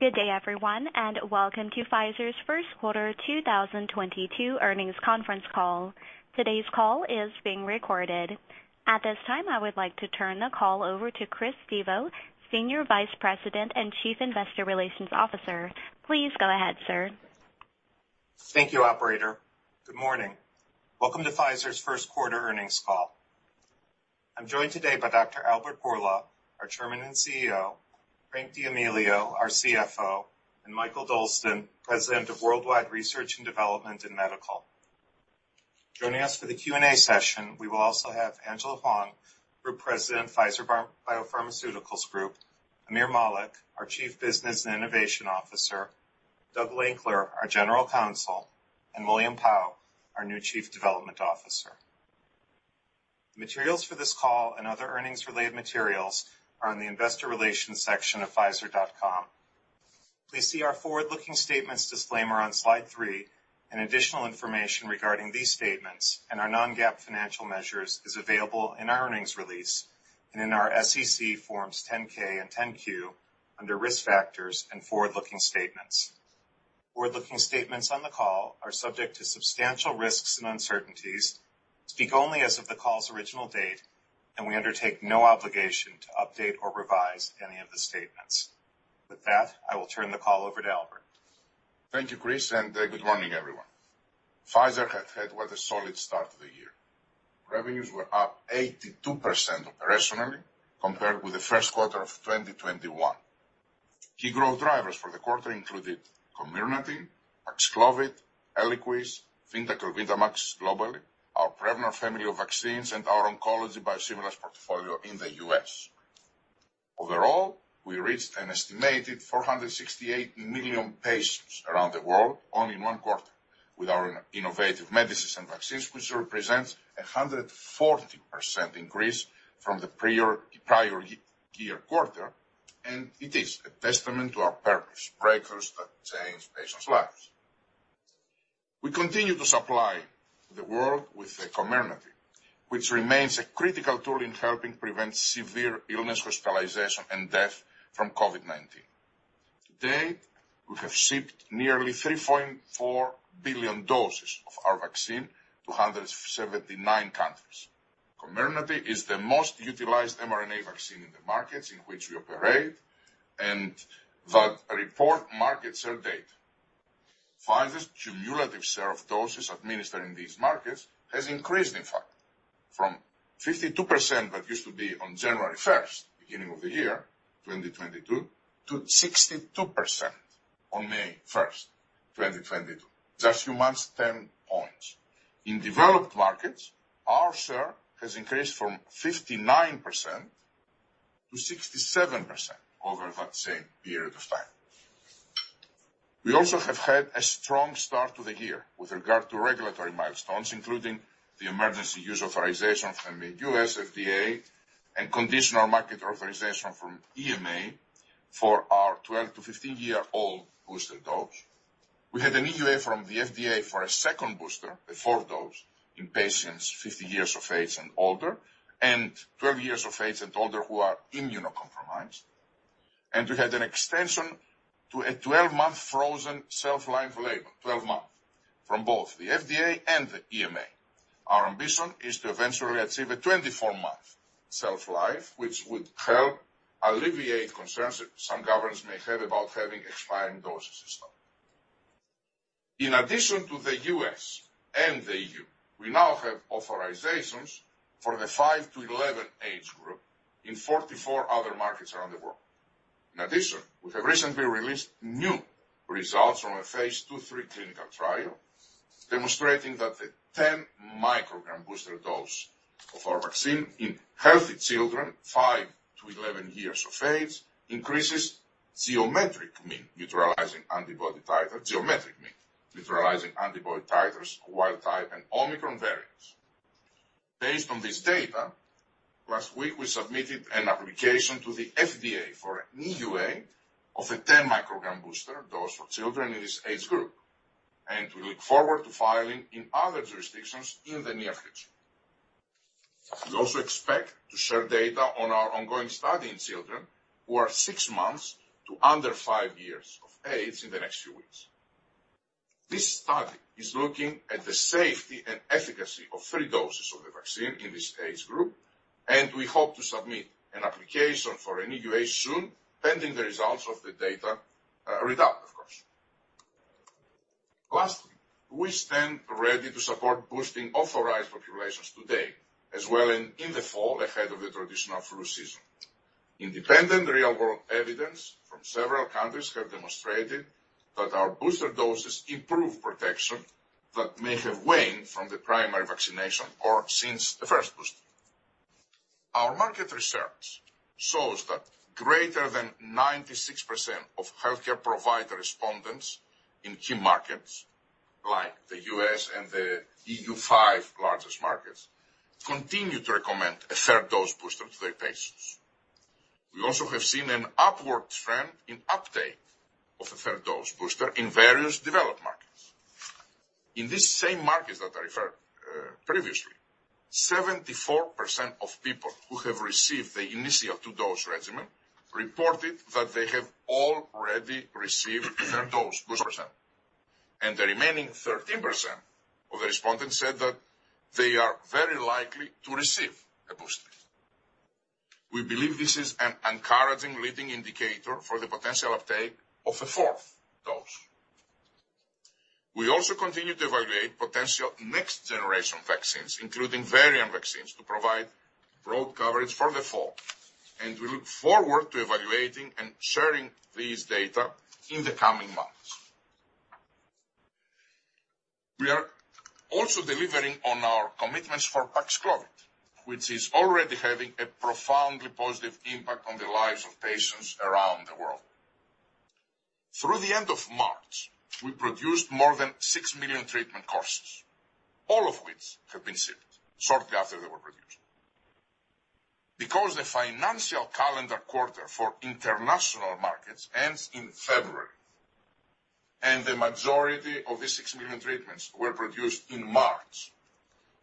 Good day everyone, and welcome to Pfizer's Q1 2022 earnings conference call. Today's call is being recorded. At this time, I would like to turn the call over to Chris Stevo, Senior Vice President and Chief Investor Relations Officer. Please go ahead, sir. Thank you, operator. Good morning. Welcome to Pfizer's Q1 earnings call. I'm joined today by Dr. Albert Bourla, our Chairman and CEO, Frank D'Amelio, our CFO, and Mikael Dolsten, President of Worldwide Research, Development, and Medical. Joining us for the Q&A session, we will also have Angela Hwang, Group President, Pfizer Biopharmaceuticals Group, Aamir Malik, our Chief Business Innovation Officer, Doug Lankler, our General Counsel, and William Pao, our new Chief Development Officer. The materials for this call and other earnings-related materials are on the investor relations section of pfizer.com. Please see our forward-looking statements disclaimer on slide three, and additional information regarding these statements and our non-GAAP financial measures is available in our earnings release and in our SEC forms 10-K and 10-Q under Risk Factors and Forward-Looking Statements. Forward-looking statements on the call are subject to substantial risks and uncertainties, speak only as of the call's original date, and we undertake no obligation to update or revise any of the statements. With that, I will turn the call over to Albert. Thank you, Chris, and good morning, everyone. Pfizer has had what a solid start to the year. Revenues were up 82% operationally compared with the Q1 of 2021. Key growth drivers for the quarter included Comirnaty, Paxlovid, Eliquis, Vyndamax, Vyndaqel globally, our Prevnar family of vaccines, and our oncology biosimilars portfolio in the U.S. Overall, we reached an estimated 468 million patients around the world, all in one quarter with our innovative medicines and vaccines, which represents a 140% increase from the prior year quarter, and it is a testament to our purpose, breakthroughs that change patients' lives. We continue to supply the world with the Comirnaty, which remains a critical tool in helping prevent severe illness, hospitalization, and death from COVID-19. To date, we have shipped nearly 3.4 billion doses of our vaccine to 179 countries. Comirnaty is the most utilized mRNA vaccine in the markets in which we operate, and that represents market share data. Pfizer's cumulative share of doses administered in these markets has increased, in fact, from 52% that used to be on January 1, 2022, beginning of the year, 2022, to 62% on May 1, 2022. Just a few months, 10 points. In developed markets, our share has increased from 59% to 67% over that same period of time. We also have had a strong start to the year with regard to regulatory milestones, including the emergency use authorization from the U.S. FDA and conditional market authorization from EMA for our 12- to 15-year-old booster dose. We had an EUA from the FDA for a second booster, a fourth dose, in patients 50 years of age and older and 12 years of age and older who are immunocompromised. We had an extension to a 12-month frozen shelf-life label from both the FDA and the EMA. Our ambition is to eventually achieve a 24-month shelf life, which would help alleviate concerns that some governments may have about having expiring doses in stock. In addition to the U.S. and the EU, we now have authorizations for the five to 11 age group in 44 other markets around the world. In addition, we have recently released new results from a phase II/III clinical trial demonstrating that the 10 µg booster dose of our vaccine in healthy children, five to 11 years of age, increases geometric mean neutralizing antibody titers, wild type and Omicron variants. Based on this data, last week we submitted an application to the FDA for an EUA of a 10 µg booster dose for children in this age group, and we look forward to filing in other jurisdictions in the near future. We also expect to share data on our ongoing study in children who are six months to under five years of age in the next few weeks. This study is looking at the safety and efficacy of three doses of the vaccine in this age group, and we hope to submit an application for an EUA soon, pending the results of the data readout, of course. Lastly, we stand ready to support boosting authorized populations today as well in the fall ahead of the traditional flu season. Independent real-world evidence from several countries have demonstrated that our booster doses improve protection that may have waned from the primary vaccination or since the first booster. Our market research shows that greater than 96% of healthcare provider respondents in key markets like the U.S. and the EU five largest markets continue to recommend a third dose booster to their patients. We also have seen an upward trend in uptake of a third dose booster in various developed markets. In the same markets that I referred previously, 74% of people who have received the initial two-dose regimen reported that they have already received their dose boost. The remaining 13% of the respondents said that they are very likely to receive a booster. We believe this is an encouraging leading indicator for the potential uptake of a fourth dose. We also continue to evaluate potential next-generation vaccines, including variant vaccines, to provide broad coverage for the fall, and we look forward to evaluating and sharing these data in the coming months. We are also delivering on our commitments for Paxlovid, which is already having a profoundly positive impact on the lives of patients around the world. Through the end of March, we produced more than 6 million treatment courses, all of which have been shipped shortly after they were produced. Because the financial calendar quarter for international markets ends in February, and the majority of these 6 million treatments were produced in March,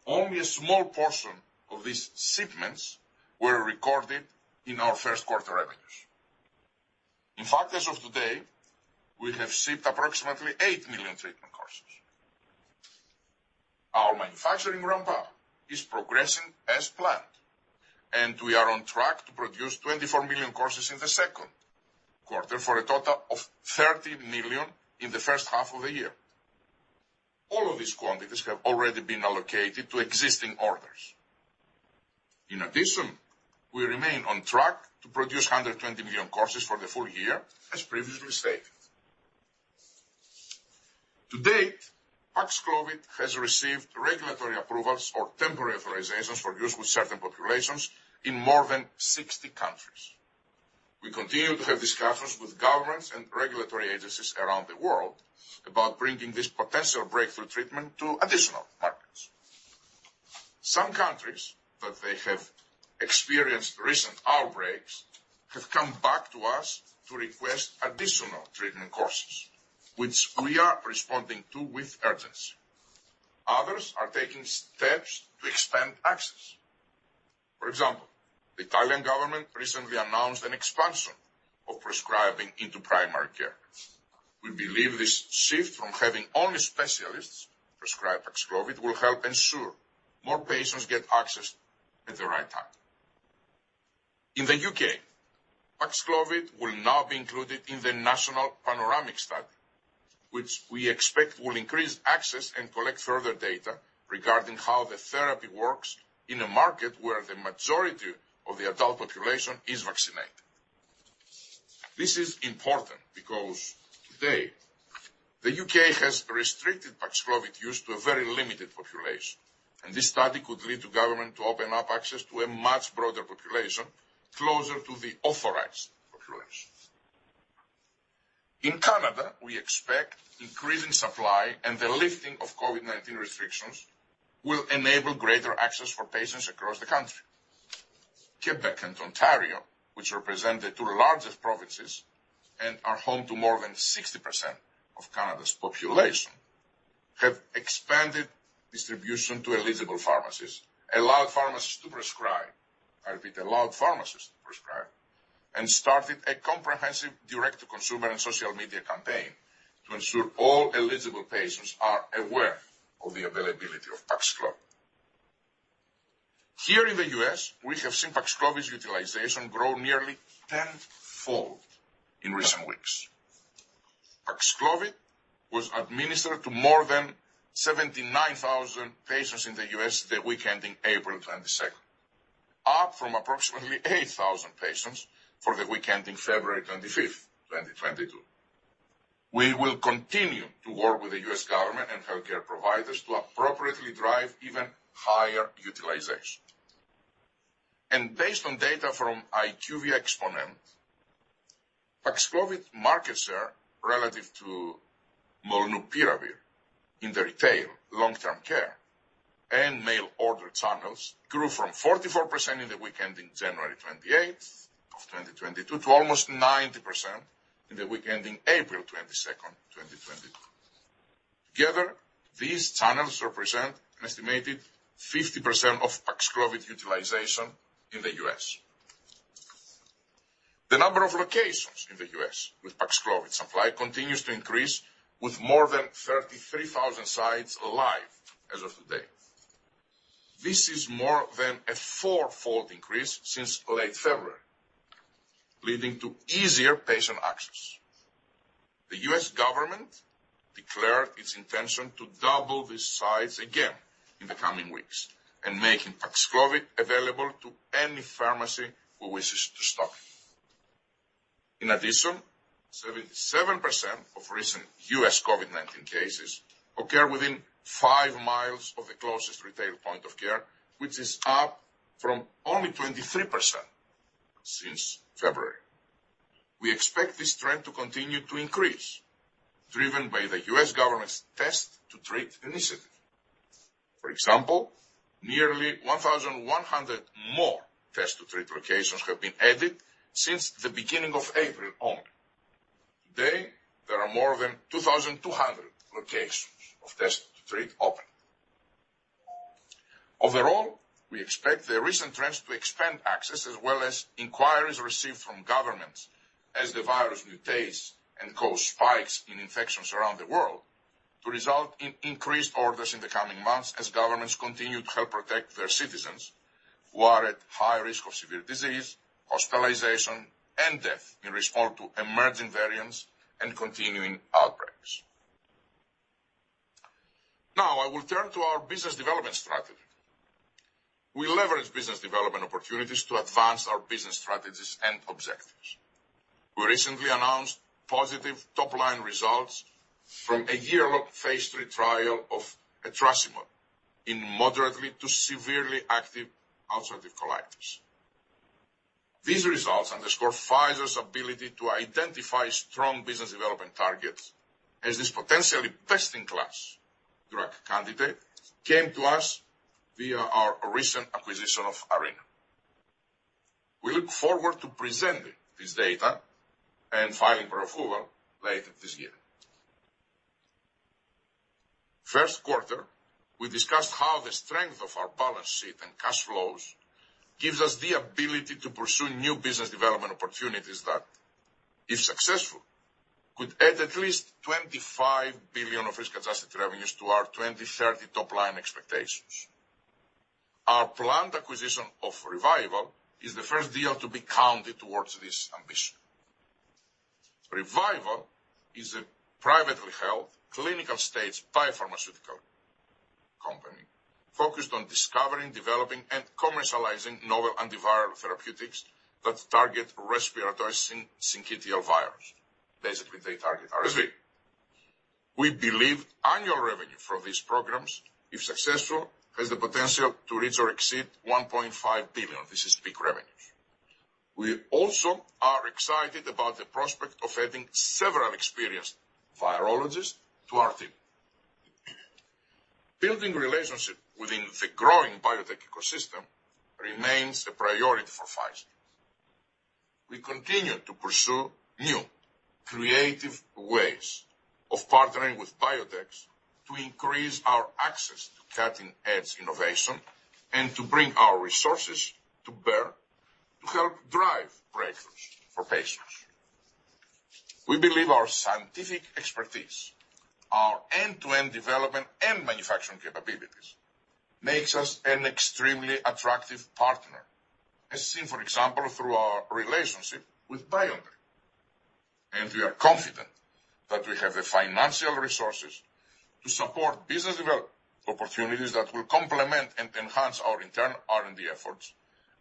only a small portion of these shipments were recorded in our first quarter revenues. In fact, as of today, we have shipped approximately 8 million treatment courses. Our manufacturing ramp up is progressing as planned, and we are on track to produce 24 million courses in the Q2 for a total of 30 million in the first half of the year. All of these quantities have already been allocated to existing orders. In addition, we remain on track to produce 120 million courses for the full year, as previously stated. To date, Paxlovid has received regulatory approvals or temporary authorizations for use with certain populations in more than 60 countries. We continue to have discussions with governments and regulatory agencies around the world about bringing this potential breakthrough treatment to additional markets. Some countries that they have experienced recent outbreaks have come back to us to request additional treatment courses, which we are responding to with urgency. Others are taking steps to expand access. For example, the Italian government recently announced an expansion of prescribing into primary care. We believe this shift from having only specialists prescribe Paxlovid will help ensure more patients get access at the right time. In the U.K., Paxlovid will now be included in the PANORAMIC study, which we expect will increase access and collect further data regarding how the therapy works in a market where the majority of the adult population is vaccinated. This is important because today the U.K. has restricted Paxlovid use to a very limited population, and this study could lead the government to open up access to a much broader population, closer to the authorized population. In Canada, we expect increasing supply and the lifting of COVID-19 restrictions will enable greater access for patients across the country. Quebec and Ontario, which represent the two largest provinces and are home to more than 60% of Canada's population, have expanded distribution to eligible pharmacies, allowed pharmacists to prescribe. I repeat, allowed pharmacists to prescribe. Started a comprehensive direct-to-consumer and social media campaign to ensure all eligible patients are aware of the availability of Paxlovid. Here in the U.S., we have seen Paxlovid's utilization grow nearly tenfold in recent weeks. Paxlovid was administered to more than 79,000 patients in the U.S. the week ending April 22, up from approximately 8,000 patients for the week ending February 25, 2022. We will continue to work with the U.S. government and healthcare providers to appropriately drive even higher utilization. Based on data from IQVIA Xponent, Paxlovid market share relative to molnupiravir in the retail, long-term care, and mail order channels grew from 44% in the week ending January 28, 2022 to almost 90% in the week ending April 22, 2022. Together, these channels represent an estimated 50% of Paxlovid utilization in the U.S. The number of locations in the U.S. with Paxlovid supply continues to increase, with more than 33,000 sites live as of today. This is more than a four-fold increase since late February, leading to easier patient access. The U.S. government declared its intention to double these sites again in the coming weeks and making Paxlovid available to any pharmacy who wishes to stock. In addition, 77% of recent U.S. COVID-19 cases occur within five miles of the closest retail point of care, which is up from only 23% since February. We expect this trend to continue to increase, driven by the U.S. government's Test to Treat initiative. For example, nearly 1,100 more Test to Treat locations have been added since the beginning of April only. Today, there are more than 2,200 locations of Test to Treat open. Overall, we expect the recent trends to expand access as well as inquiries received from governments as the virus mutates and cause spikes in infections around the world to result in increased orders in the coming months as governments continue to help protect their citizens who are at high risk of severe disease, hospitalization, and death in response to emerging variants and continuing outbreaks. Now I will turn to our business development strategy. We leverage business development opportunities to advance our business strategies and objectives. We recently announced positive top-line results from a year-long phase III trial of etrasimod in moderately to severely active ulcerative colitis. These results underscore Pfizer's ability to identify strong business development targets as this potentially best-in-class drug candidate came to us via our recent acquisition of Arena. We look forward to presenting this data and filing for approval later this year. Q1, we discussed how the strength of our balance sheet and cash flows gives us the ability to pursue new business development opportunities that, if successful, could add at least $25 billion of risk-adjusted revenues to our 2030 top line expectations. Our planned acquisition of ReViral is the first deal to be counted towards this ambition. ReViral is a privately held clinical-stage biopharmaceutical company focused on discovering, developing, and commercializing novel antiviral therapeutics that target respiratory syncytial virus. Basically, they target RSV. We believe annual revenue from these programs, if successful, has the potential to reach or exceed $1.5 billion. This is peak revenues. We also are excited about the prospect of adding several experienced virologists to our team. Building relationships within the growing biotech ecosystem remains a priority for Pfizer. We continue to pursue new creative ways of partnering with biotechs to increase our access to cutting-edge innovation and to bring our resources to bear to help drive breakthroughs for patients. We believe our scientific expertise, our end-to-end development and manufacturing capabilities, makes us an extremely attractive partner, as seen, for example, through our relationship with BioNTech. We are confident that we have the financial resources to support business development opportunities that will complement and enhance our internal R&D efforts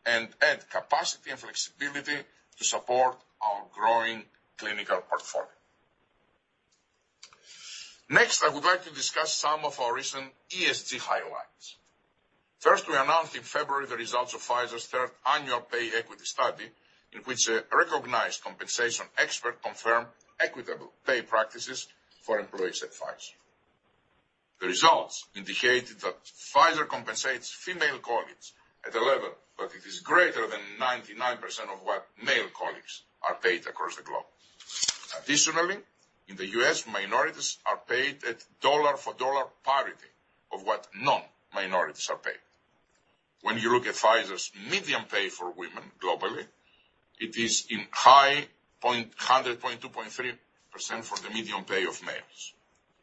and add capacity and flexibility to support our growing clinical portfolio. Next, I would like to discuss some of our recent ESG highlights. First, we announced in February the results of Pfizer's third annual pay equity study, in which a recognized compensation expert confirmed equitable pay practices for employees at Pfizer. The results indicated that Pfizer compensates female colleagues at a level that is greater than 99% of what male colleagues are paid across the globe. Additionally, in the U.S., minorities are paid at dollar-for-dollar parity of what non-minorities are paid. When you look at Pfizer's median pay for women globally, it is 99.23% of the median pay of males.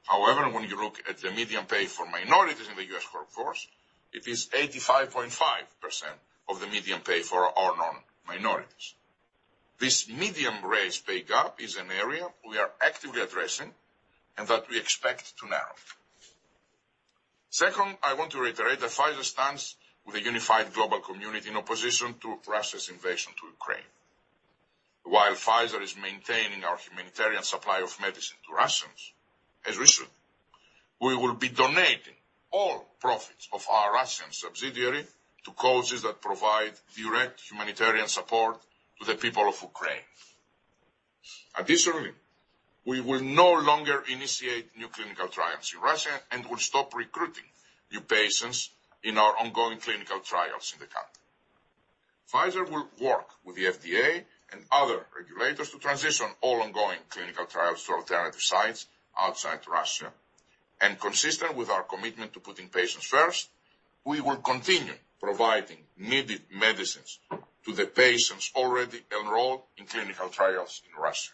However, when you look at the median pay for minorities in the U.S. workforce, it is 85.5% of the median pay for our non-minorities. This median race pay gap is an area we are actively addressing and that we expect to narrow. Second, I want to reiterate that Pfizer stands with a unified global community in opposition to Russia's invasion of Ukraine. While Pfizer is maintaining our humanitarian supply of medicine to Russians, as we should, we will be donating all profits of our Russian subsidiary to causes that provide direct humanitarian support to the people of Ukraine. Additionally, we will no longer initiate new clinical trials in Russia and will stop recruiting new patients in our ongoing clinical trials in the country. Pfizer will work with the FDA and other regulators to transition all ongoing clinical trials to alternative sites outside Russia. Consistent with our commitment to putting patients first, we will continue providing needed medicines to the patients already enrolled in clinical trials in Russia.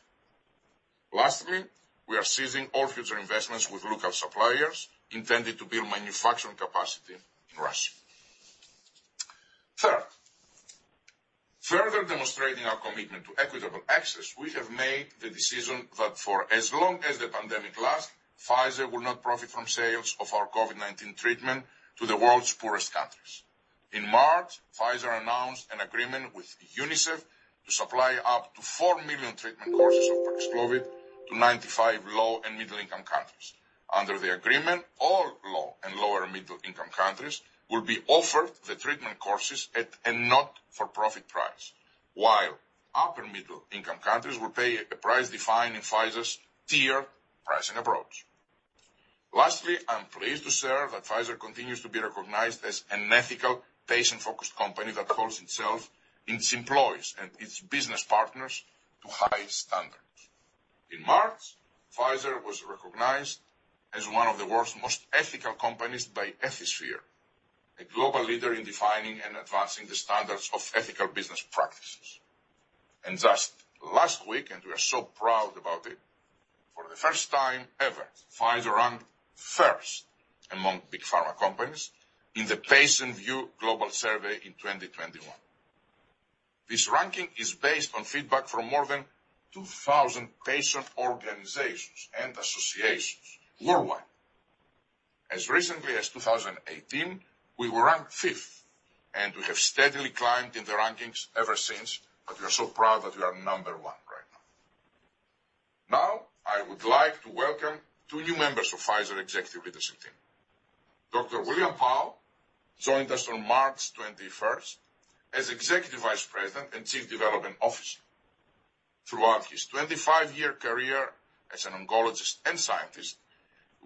Lastly, we are ceasing all future investments with local suppliers intended to build manufacturing capacity in Russia. Third, further demonstrating our commitment to equitable access, we have made the decision that for as long as the pandemic lasts, Pfizer will not profit from sales of our COVID-19 treatment to the world's poorest countries. In March, Pfizer announced an agreement with UNICEF to supply up to 4 million treatment courses of Paxlovid to 95 low and middle-income countries. Under the agreement, all low and lower middle-income countries will be offered the treatment courses at a not-for-profit price. While upper middle-income countries will pay a price defined in Pfizer's tier pricing approach. Lastly, I'm pleased to share that Pfizer continues to be recognized as an ethical, patient-focused company that holds itself, its employees, and its business partners to high standards. In March, Pfizer was recognized as one of the world's most ethical companies by Ethisphere, a global leader in defining and advancing the standards of ethical business practices. Just last week, and we are so proud about it, for the first time ever, Pfizer ranked first among big pharma companies in the PatientView global survey in 2021. This ranking is based on feedback from more than 2,000 patient organizations and associations worldwide. As recently as 2018, we were ranked fifth, and we have steadily climbed in the rankings ever since, but we are so proud that we are number one right now. Now, I would like to welcome two new members of Pfizer Executive Leadership Team. Dr. William Pao joined us on March 21, as Executive Vice President and Chief Development Officer. Throughout his 25-year career as an oncologist and scientist,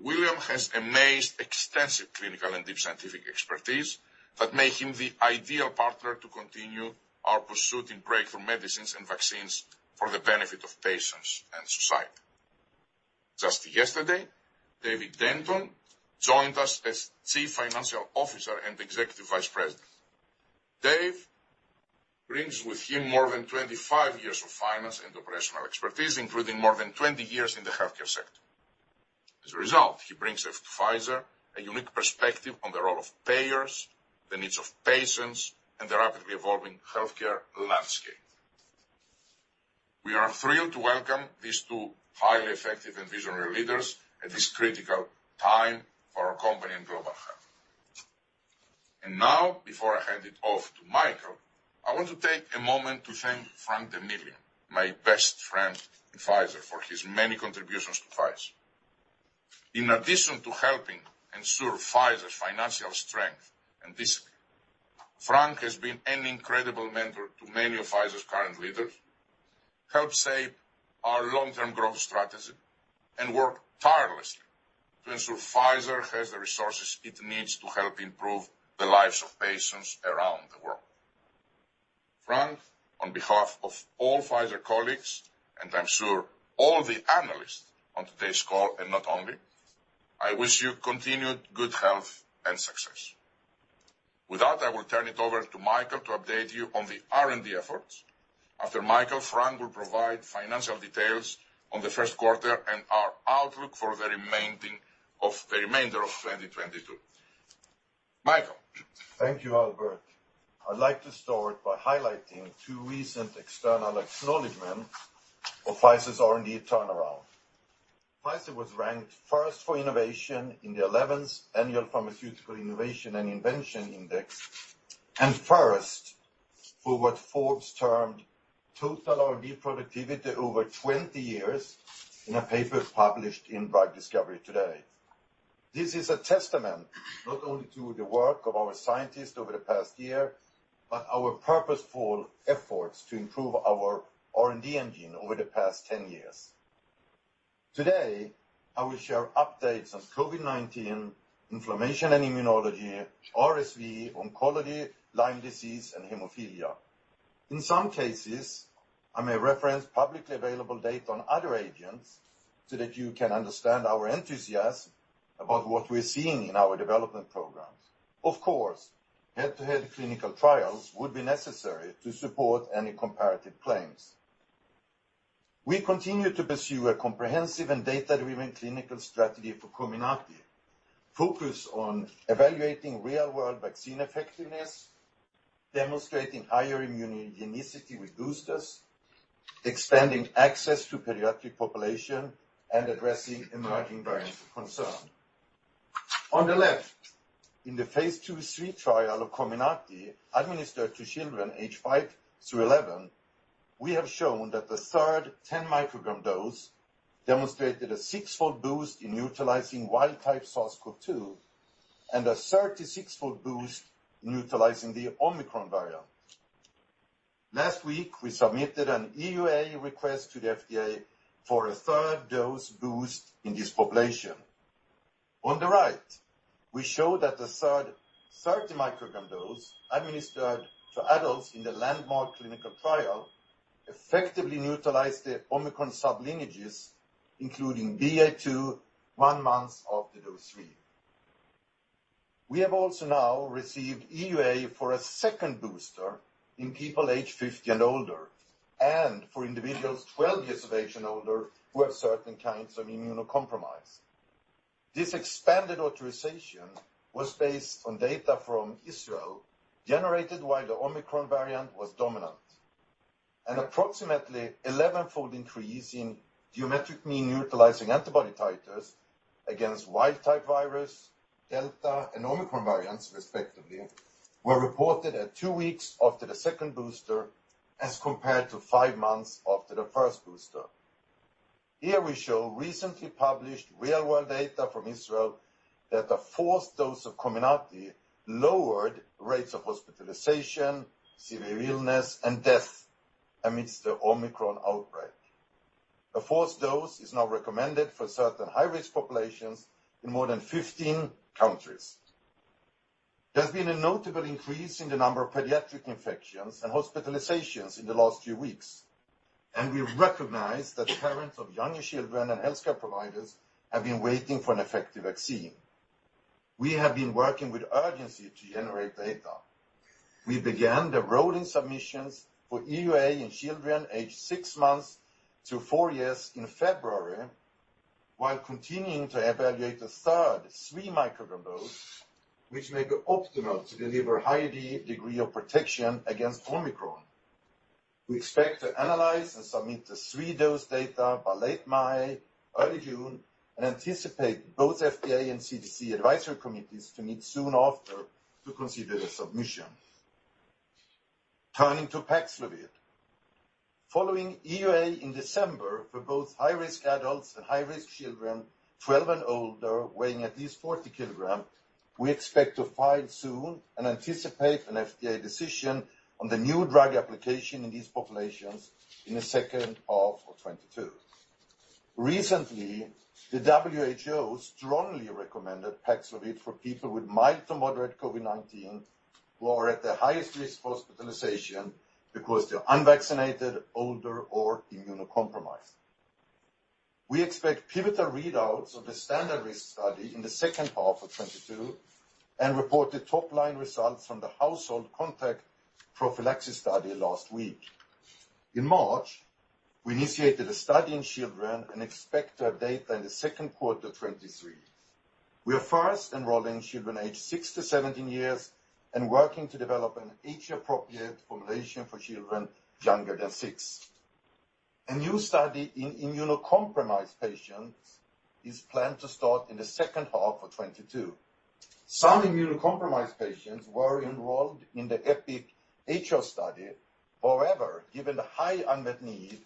William has amassed extensive clinical and deep scientific expertise that make him the ideal partner to continue our pursuit in breakthrough medicines and vaccines for the benefit of patients and society. Just yesterday, David Denton joined us as Chief Financial Officer and Executive Vice President. Dave brings with him more than 25 years of finance and operational expertise, including more than 20 years in the healthcare sector. As a result, he brings to Pfizer a unique perspective on the role of payers, the needs of patients, and the rapidly evolving healthcare landscape. We are thrilled to welcome these two highly effective and visionary leaders at this critical time for our company and global health. Now, before I hand it off to Mikael, I want to take a moment to thank Frank D'Amelio, my best friend in Pfizer, for his many contributions to Pfizer. In addition to helping ensure Pfizer's financial strength and discipline, Frank has been an incredible mentor to many of Pfizer's current leaders, helped shape our long-term growth strategy, and worked tirelessly to ensure Pfizer has the resources it needs to help improve the lives of patients around the world. Frank, on behalf of all Pfizer colleagues, and I'm sure all the analysts on today's call, and not only, I wish you continued good health and success. With that, I will turn it over to Mikael to update you on the R&D efforts. After Mikael, Frank will provide financial details on the Q1 and our outlook for the remainder of 2022. Mikael? Thank you, Albert. I'd like to start by highlighting two recent external acknowledgements of Pfizer's R&D turnaround. Pfizer was ranked first for innovation in the 11th Annual Pharmaceutical Innovation and Invention Index, and first for what Forbes termed total R&D productivity over 20 years in a paper published in Drug Discovery Today. This is a testament not only to the work of our scientists over the past year, but our purposeful efforts to improve our R&D engine over the past 10 years. Today, I will share updates on COVID-19, inflammation and immunology, RSV, oncology, Lyme disease, and hemophilia. In some cases, I may reference publicly available data on other agents so that you can understand our enthusiasm about what we're seeing in our development programs. Of course, head-to-head clinical trials would be necessary to support any comparative claims. We continue to pursue a comprehensive and data-driven clinical strategy for Comirnaty, focused on evaluating real-world vaccine effectiveness, demonstrating higher immunogenicity with boosters, expanding access to pediatric population, and addressing emerging variants of concern. On the left, in the phase II/III trial of Comirnaty administered to children aged five through 11, we have shown that the third 10 µg dose demonstrated a six-fold boost in neutralizing wild type SARS-CoV-2 and a 36-fold boost in neutralizing the Omicron variant. Last week, we submitted an EUA request to the FDA for a third dose boost in this population. On the right, we show that the third 30 µg dose administered to adults in the landmark clinical trial effectively neutralized the Omicron sublineages, including BA.2 one month after dose three. We have also now received EUA for a second booster in people aged 50 and older, and for individuals 12 years of age and older who have certain kinds of immunocompromise. This expanded authorization was based on data from Israel generated while the Omicron variant was dominant. An approximately 11-fold increase in geometric mean neutralizing antibody titers against wild type virus, Delta, and Omicron variants respectively, were reported at two weeks after the second booster as compared to five months after the first booster. Here we show recently published real world data from Israel that a fourth dose of Comirnaty lowered rates of hospitalization, severe illness, and death amidst the Omicron outbreak. A fourth dose is now recommended for certain high-risk populations in more than 15 countries. There's been a notable increase in the number of pediatric infections and hospitalizations in the last few weeks, and we recognize that parents of younger children and healthcare providers have been waiting for an effective vaccine. We have been working with urgency to generate data. We began the rolling submissions for EUA in children aged six months to four years in February, while continuing to evaluate the third 3 µg dose, which may be optimal to deliver high degree of protection against Omicron. We expect to analyze and submit the three-dose data by late May, early June, and anticipate both FDA and CDC advisory committees to meet soon after to consider the submission. Turning to Paxlovid. Following EUA in December for both high-risk adults and high-risk children 12 and older, weighing at least 40 kg, we expect to file soon and anticipate an FDA decision on the new drug application in these populations in the second half of 2022. Recently, the WHO strongly recommended Paxlovid for people with mild to moderate COVID-19 who are at the highest risk for hospitalization because they're unvaccinated, older, or immunocompromised. We expect pivotal readouts of the standard risk study in the second half of 2022 and report the top line results from the household contact prophylaxis study last week. In March, we initiated a study in children and expect to have data in the Q2, 2023. We are first enrolling children aged six to 17 years and working to develop an age-appropriate formulation for children younger than six. A new study in immunocompromised patients is planned to start in the second half of 2022. Some immunocompromised patients were enrolled in the EPIC-HR study. However, given the high unmet need,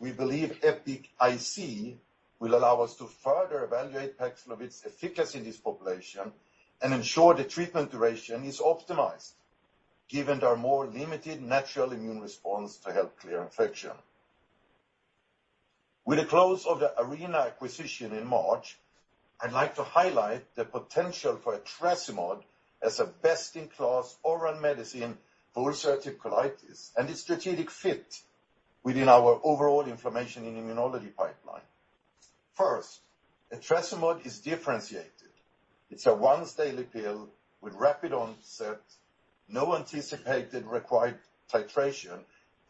we believe EPIC-IC will allow us to further evaluate Paxlovid's efficacy in this population and ensure the treatment duration is optimized given their more limited natural immune response to help clear infection. With the close of the Arena acquisition in March, I'd like to highlight the potential for etrasimod as a best-in-class oral medicine for ulcerative colitis and its strategic fit within our overall inflammation and immunology pipeline. First, etrasimod is differentiated. It's a once daily pill with rapid onset, no anticipated required titration,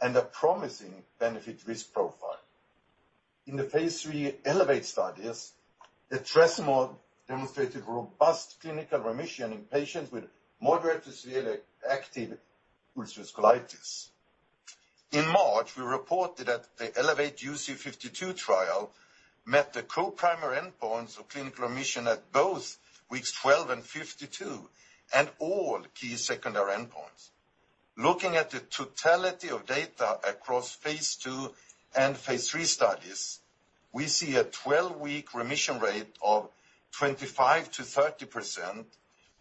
and a promising benefit risk profile. In the phase III ELEVATE studies, etrasimod demonstrated robust clinical remission in patients with moderate to severe active ulcerative colitis. In March, we reported that the ELEVATE UC 52 trial met the co-primary endpoints of clinical remission at both weeks 12 and 52, and all key secondary endpoints. Looking at the totality of data across phase II and phase III studies, we see a 12-week remission rate of 25%-30%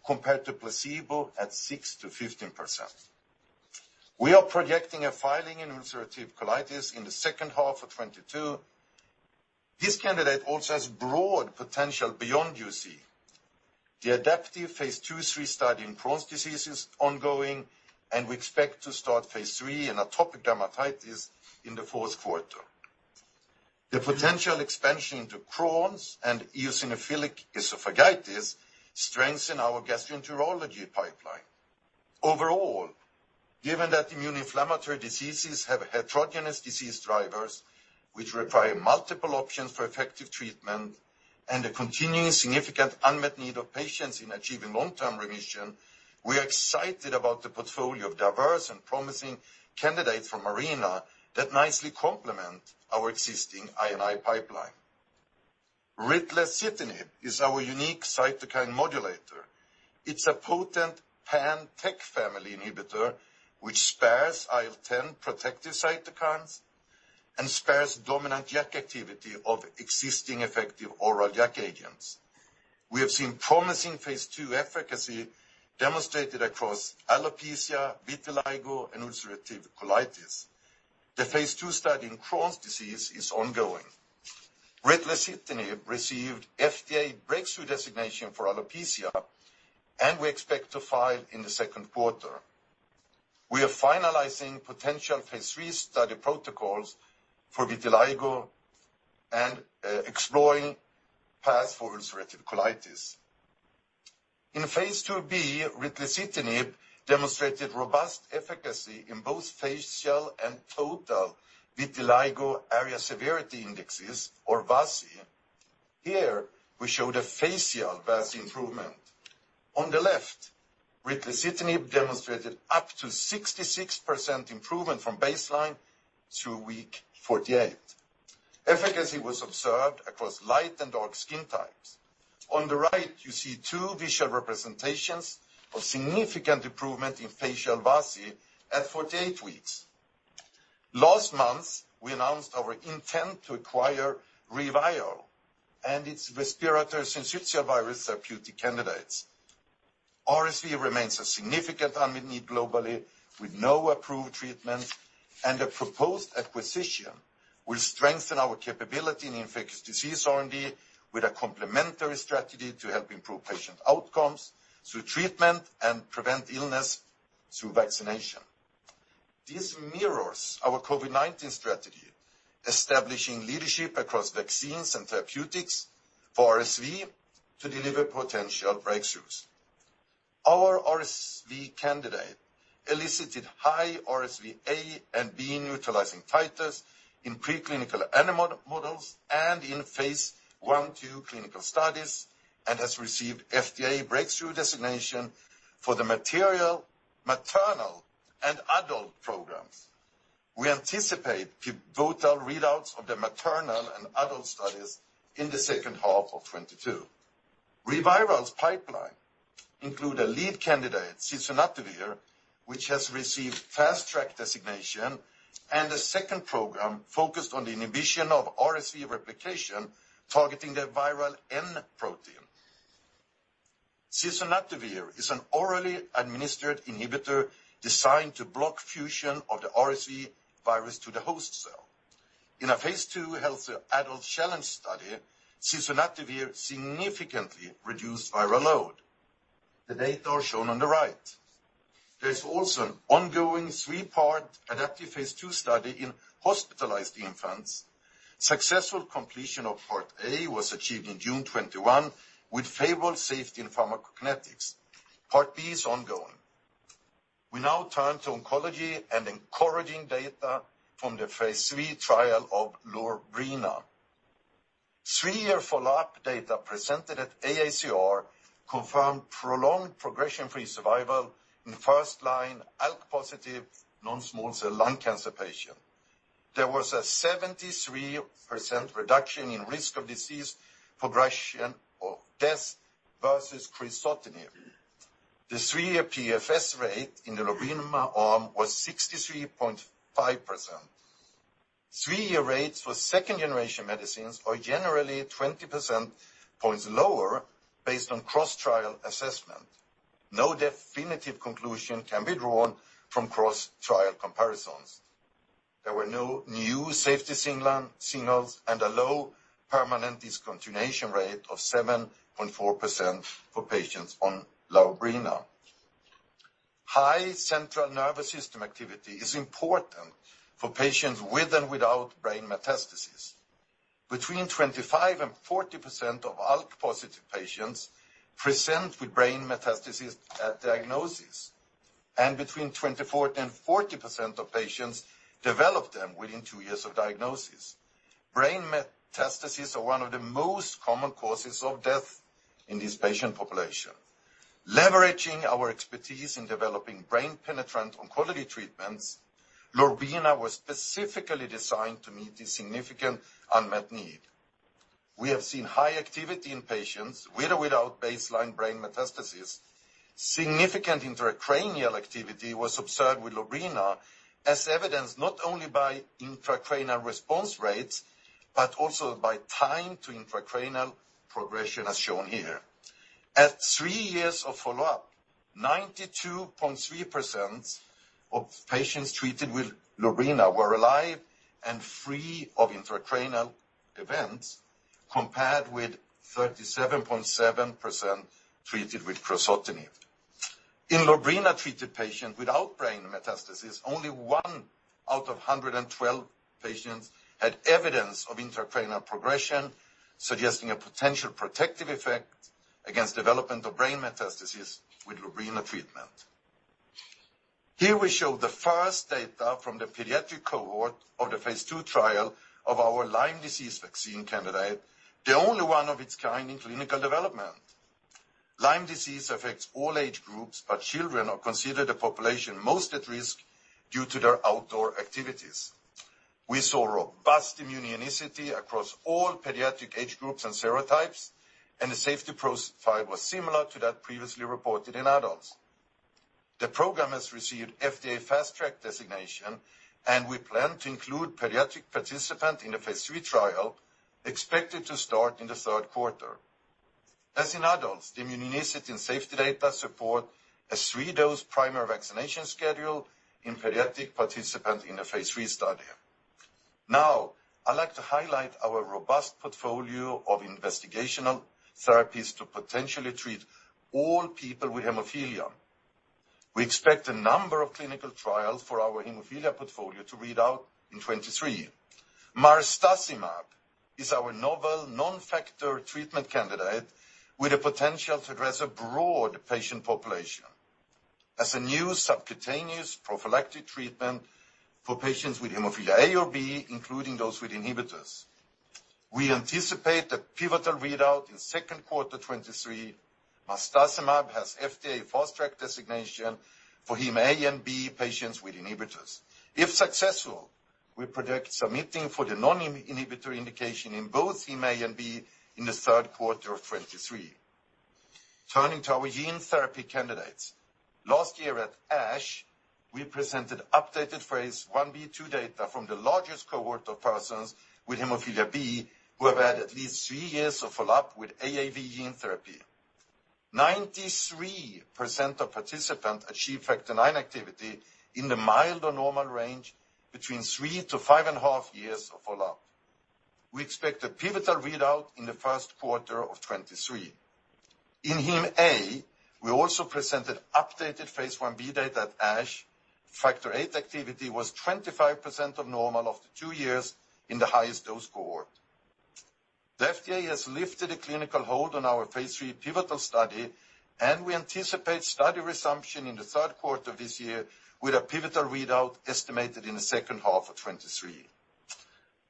compared to placebo at 6%-15%. We are projecting a filing in ulcerative colitis in the second half of 2022. This candidate also has broad potential beyond UC. The adaptive phase II/III study in Crohn's disease is ongoing, and we expect to start phase III in atopic dermatitis in the Q4. The potential expansion into Crohn's and eosinophilic esophagitis strengthen our gastroenterology pipeline. Overall, given that immune inflammatory diseases have heterogeneous disease drivers which require multiple options for effective treatment and a continuing significant unmet need of patients in achieving long-term remission, we are excited about the portfolio of diverse and promising candidates from Arena that nicely complement our existing I&I pipeline. Ritlecitinib is our unique cytokine modulator. It's a potent pan-TEC family inhibitor, which spares IL-10 protective cytokines and spares dominant JAK activity of existing effective oral JAK agents. We have seen promising phase II efficacy demonstrated across alopecia, vitiligo, and ulcerative colitis. The phase II study in Crohn's disease is ongoing. Ritlecitinib received FDA breakthrough designation for alopecia, and we expect to file in the Q2. We are finalizing potential phase III study protocols for vitiligo and exploring paths for ulcerative colitis. In phase II-B, ritlecitinib demonstrated robust efficacy in both facial and total vitiligo area severity indexes or VASI. Here we showed a facial VASI improvement. On the left, ritlecitinib demonstrated up to 66% improvement from baseline through week 48. Efficacy was observed across light and dark skin types. On the right, you see two visual representations of significant improvement in facial vitiligo at 48 weeks. Last month, we announced our intent to acquire ReViral and its respiratory syncytial virus therapeutic candidates. RSV remains a significant unmet need globally with no approved treatment, and a proposed acquisition will strengthen our capability in infectious disease R&D with a complementary strategy to help improve patient outcomes through treatment and prevent illness through vaccination. This mirrors our COVID-19 strategy, establishing leadership across vaccines and therapeutics for RSV to deliver potential breakthroughs. Our RSV candidate elicited high RSV A and B neutralizing titers in preclinical animal models and in phase I/II clinical studies and has received FDA breakthrough designation for the maternal and adult programs. We anticipate pivotal readouts of the maternal and adult studies in the second half of 2022. ReViral's pipeline includes a lead candidate, sisunatovir, which has received Fast Track designation, and a second program focused on the inhibition of RSV replication, targeting the viral M protein. Sisunatovir is an orally administered inhibitor designed to block fusion of the RSV virus to the host cell. In a phase II healthy adult challenge study, sisunatovir significantly reduced viral load. The data are shown on the right. There's also an ongoing three-part adaptive phase II study in hospitalized infants. Successful completion of Part A was achieved in June 2021 with favorable safety and pharmacokinetics. Part B is ongoing. We now turn to oncology and encouraging data from the phase III trial of Lorbrena. Three-year follow-up data presented at AACR confirmed prolonged progression-free survival in first-line ALK-positive non-small cell lung cancer patients. There was a 73% reduction in risk of disease progression or death versus crizotinib. The three-year PFS rate in the Lorbrena arm was 63.5%. Three-year rates for second generation medicines are generally 20 percentage points lower based on cross-trial assessment. No definitive conclusion can be drawn from cross-trial comparisons. There were no new safety signals and a low permanent discontinuation rate of 7.4% for patients on Lorbrena. High central nervous system activity is important for patients with and without brain metastases. Between 25% and 40% of ALK-positive patients present with brain metastases at diagnosis, and between 24% and 40% of patients develop them within two years of diagnosis. Brain metastases are one of the most common causes of death in this patient population. Leveraging our expertise in developing brain-penetrant oncology treatments, Lorbrena was specifically designed to meet this significant unmet need. We have seen high activity in patients with or without baseline brain metastases. Significant intracranial activity was observed with Lorbrena as evidenced not only by intracranial response rates, but also by time to intracranial progression, as shown here. At three years of follow-up, 92.3% of patients treated with Lorbrena were alive and free of intracranial events, compared with 37.7% treated with crizotinib. In Lorbrena-treated patients without brain metastases, only one out of 112 patients had evidence of intracranial progression, suggesting a potential protective effect against development of brain metastases with Lorbrena treatment. Here we show the first data from the pediatric cohort of the phase II trial of our Lyme disease vaccine candidate, the only one of its kind in clinical development. Lyme disease affects all age groups, but children are considered the population most at risk due to their outdoor activities. We saw robust immunogenicity across all pediatric age groups and serotypes, and the safety profile was similar to that previously reported in adults. The program has received FDA Fast Track designation, and we plan to include pediatric participants in a phase III trial expected to start in the Q3. As in adults, the immunogenicity and safety data support a three-dose primary vaccination schedule in pediatric participants in a phase III study. Now, I'd like to highlight our robust portfolio of investigational therapies to potentially treat all people with hemophilia. We expect a number of clinical trials for our hemophilia portfolio to read out in 2023. Marstacimab is our novel non-factor treatment candidate with the potential to address a broad patient population. As a new subcutaneous prophylactic treatment for patients with hemophilia A or B, including those with inhibitors. We anticipate a pivotal readout in Q2 2023. Marstacimab has FDA Fast Track designation for hem A and B patients with inhibitors. If successful, we predict submitting for the non-inhibitor indication in both EMA and FDA in the Q3 of 2023. Turning to our gene therapy candidates. Last year at ASH, we presented updated phase I-B/II data from the largest cohort of persons with hemophilia B who have had at least three years of follow-up with AAV gene therapy. 93% of participants achieve factor nine activity in the mild or normal range between three to five and a half years of follow-up. We expect a pivotal readout in the Q1 of 2023. In hem A, we also presented updated phase I-B data at ASH. Factor eight activity was 25% of normal after two years in the highest dose cohort. The FDA has lifted a clinical hold on our phase III pivotal study, and we anticipate study resumption in the Q3 of this year with a pivotal readout estimated in the second half of 2023.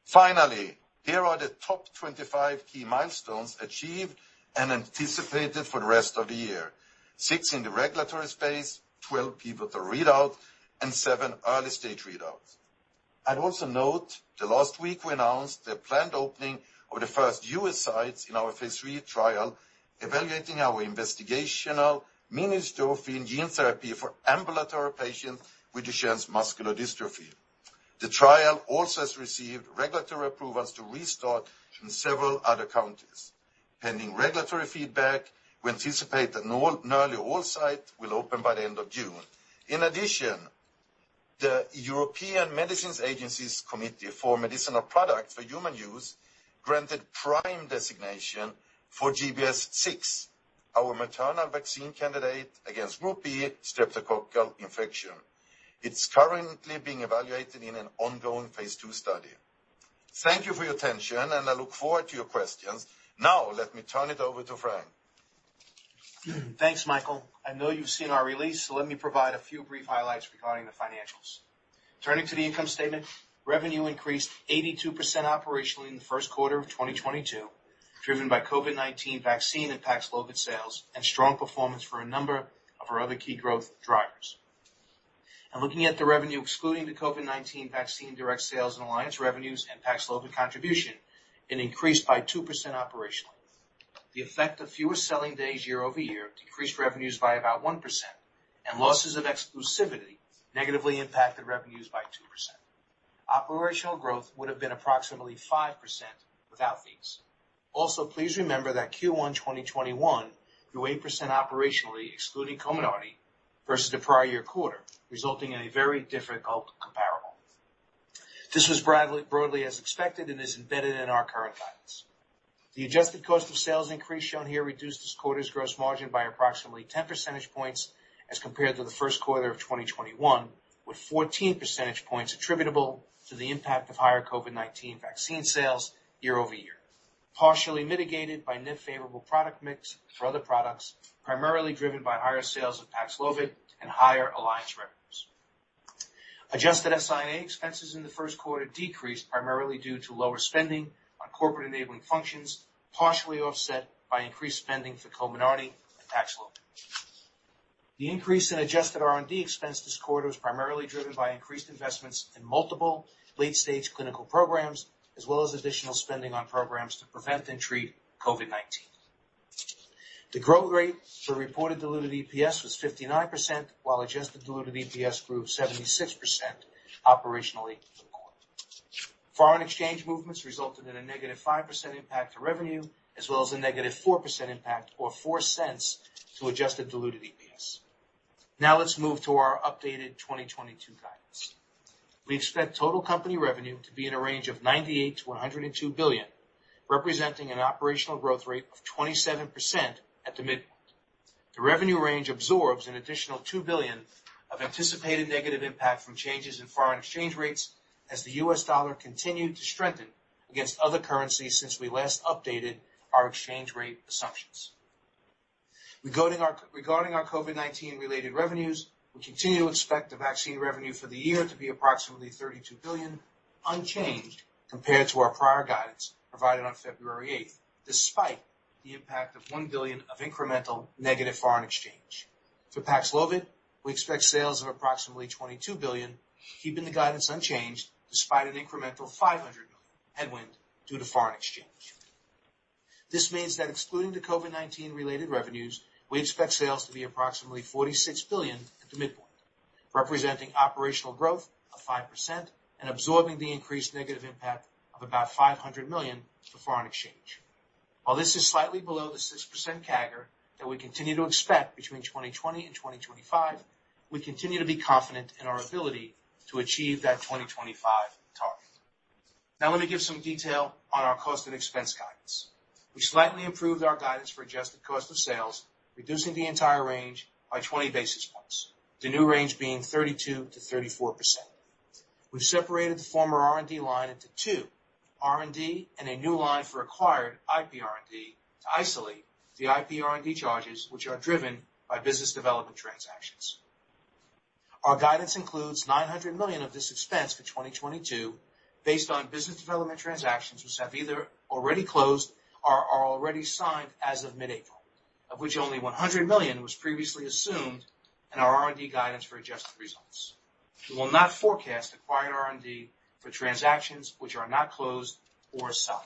Finally, here are the top 25 key milestones achieved and anticipated for the rest of the year. 6 in the regulatory space, 12 pivotal readouts, and seven early-stage readouts. I'd also note that last week we announced the planned opening of the first U.S. sites in our phase III trial evaluating our investigational mini-dystrophin gene therapy for ambulatory patients with Duchenne muscular dystrophy. The trial also has received regulatory approvals to restart in several other countries. Pending regulatory feedback, we anticipate that nearly all sites will open by the end of June. In addition, the European Medicines Agency's Committee for Medicinal Products for Human Use granted prime designation for GBS6, our maternal vaccine candidate against Group B Streptococcus. It's currently being evaluated in an ongoing phase II study. Thank you for your attention, and I look forward to your questions. Now let me turn it over to Frank. Thanks, Mikael. I know you've seen our release, so let me provide a few brief highlights regarding the financials. Turning to the income statement, revenue increased 82% operationally in the Q1 of 2022, driven by COVID-19 vaccine and Paxlovid sales and strong performance for a number of our other key growth drivers. Looking at the revenue excluding the COVID-19 vaccine direct sales and alliance revenues and Paxlovid contribution, it increased by 2% operationally. The effect of fewer selling days year over year decreased revenues by about 1%, and losses of exclusivity negatively impacted revenues by 2%. Operational growth would have been approximately 5% without these. Also, please remember that Q1 2021 grew 8% operationally excluding Comirnaty versus the prior year quarter, resulting in a very difficult comparable. This was broadly as expected and is embedded in our current guidance. The adjusted cost of sales increase shown here reduced this quarter's gross margin by approximately 10 percentage points as compared to the Q1 of 2021, with 14 percentage points attributable to the impact of higher COVID-19 vaccine sales year-over-year, partially mitigated by net favorable product mix for other products, primarily driven by higher sales of Paxlovid and higher alliance revenues. Adjusted SI&A expenses in the Q1 decreased primarily due to lower spending on corporate enabling functions, partially offset by increased spending for Comirnaty and Paxlovid. The increase in adjusted R&D expense this quarter was primarily driven by increased investments in multiple late-stage clinical programs, as well as additional spending on programs to prevent and treat COVID-19. The growth rate for reported diluted EPS was 59%, while adjusted diluted EPS grew 76% operationally for the quarter. Foreign exchange movements resulted in a negative 5% impact to revenue as well as a negative 4% impact or $0.04 to adjusted diluted EPS. Now let's move to our updated 2022 guidance. We expect total company revenue to be in a range of $98 billion-$102 billion, representing an operational growth rate of 27% at the midpoint. The revenue range absorbs an additional $2 billion of anticipated negative impact from changes in foreign exchange rates as the U.S. dollar continued to strengthen against other currencies since we last updated our exchange rate assumptions. Regarding our COVID-19 related revenues, we continue to expect the vaccine revenue for the year to be approximately $32 billion, unchanged compared to our prior guidance provided on February 8, despite the impact of $1 billion of incremental negative foreign exchange. For Paxlovid, we expect sales of approximately $22 billion, keeping the guidance unchanged despite an incremental $500 million headwind due to foreign exchange. This means that excluding the COVID-19 related revenues, we expect sales to be approximately $46 billion at the midpoint, representing operational growth of 5% and absorbing the increased negative impact of about $500 million for foreign exchange. While this is slightly below the 6% CAGR that we continue to expect between 2020 and 2025, we continue to be confident in our ability to achieve that 2025 target. Now let me give some detail on our cost and expense guidance. We slightly improved our guidance for adjusted cost of sales, reducing the entire range by 20 basis points, the new range being 32%-34%. We've separated the former R&D line into two: R&D and a new line for acquired IPR&D to isolate the IPR&D charges, which are driven by business development transactions. Our guidance includes $900 million of this expense for 2022 based on business development transactions which have either already closed or are already signed as of mid-April. Of which only $100 million was previously assumed in our R&D guidance for adjusted results. We will not forecast acquired R&D for transactions which are not closed or sold.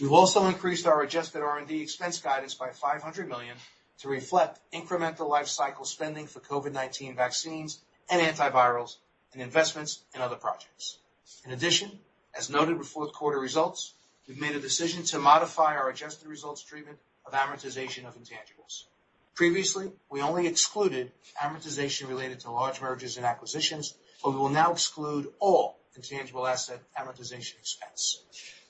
We've also increased our adjusted R&D expense guidance by $500 million to reflect incremental life cycle spending for COVID-19 vaccines and antivirals and investments in other projects. In addition, as noted with Q4 results, we've made a decision to modify our adjusted results treatment of amortization of intangibles. Previously, we only excluded amortization related to large mergers and acquisitions, but we will now exclude all intangible asset amortization expense.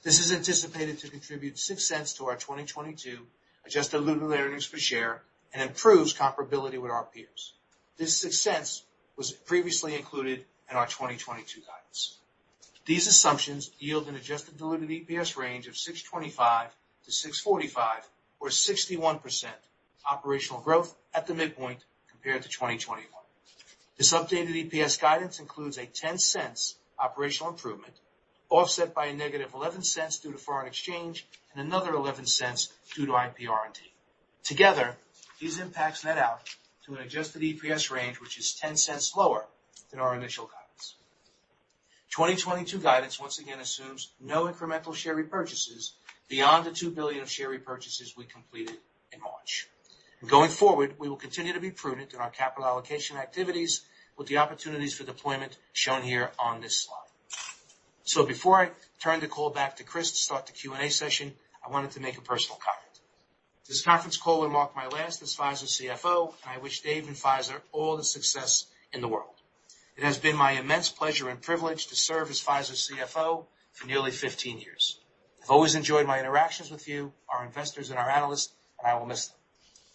This is anticipated to contribute $0.06 to our 2022 adjusted diluted earnings per share and improves comparability with our peers. This $0.06 was previously included in our 2022 guidance. These assumptions yield an adjusted diluted EPS range of $6.25-$6.45 or 61% operational growth at the midpoint compared to 2021. This updated EPS guidance includes a $0.10 operational improvement, offset by a -$0.11 due to foreign exchange and another $0.11 due to IPR&D. Together, these impacts net out to an adjusted EPS range which is $0.10 lower than our initial guidance. 2022 guidance once again assumes no incremental share repurchases beyond the $2 billion of share repurchases we completed in March. Going forward, we will continue to be prudent in our capital allocation activities with the opportunities for deployment shown here on this slide. Before I turn the call back to Chris to start the Q&A session, I wanted to make a personal comment. This conference call will mark my last as Pfizer's CFO, and I wish Dave and Pfizer all the success in the world. It has been my immense pleasure and privilege to serve as Pfizer's CFO for nearly 15 years. I've always enjoyed my interactions with you, our investors and our analysts, and I will miss them.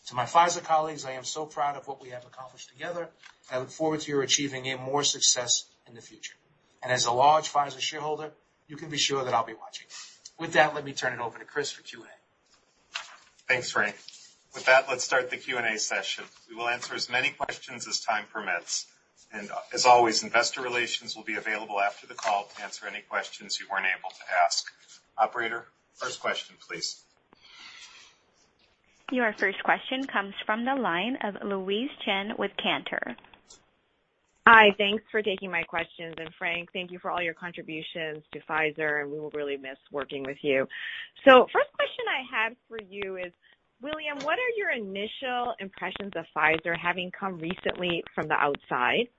To my Pfizer colleagues, I am so proud of what we have accomplished together, and I look forward to you achieving yet more success in the future. As a large Pfizer shareholder, you can be sure that I'll be watching. With that, let me turn it over to Chris for Q&A. Thanks, Frank. With that, let's start the Q&A session. We will answer as many questions as time permits, and as always, investor relations will be available after the call to answer any questions you weren't able to ask. Operator, first question, please. Your first question comes from the line of Louise Chen with Cantor. Hi, thanks for taking my questions. Frank, thank you for all your contributions to Pfizer, and we will really miss working with you. First question I had for you is, William, what are your initial impressions of Pfizer having come recently from the outside?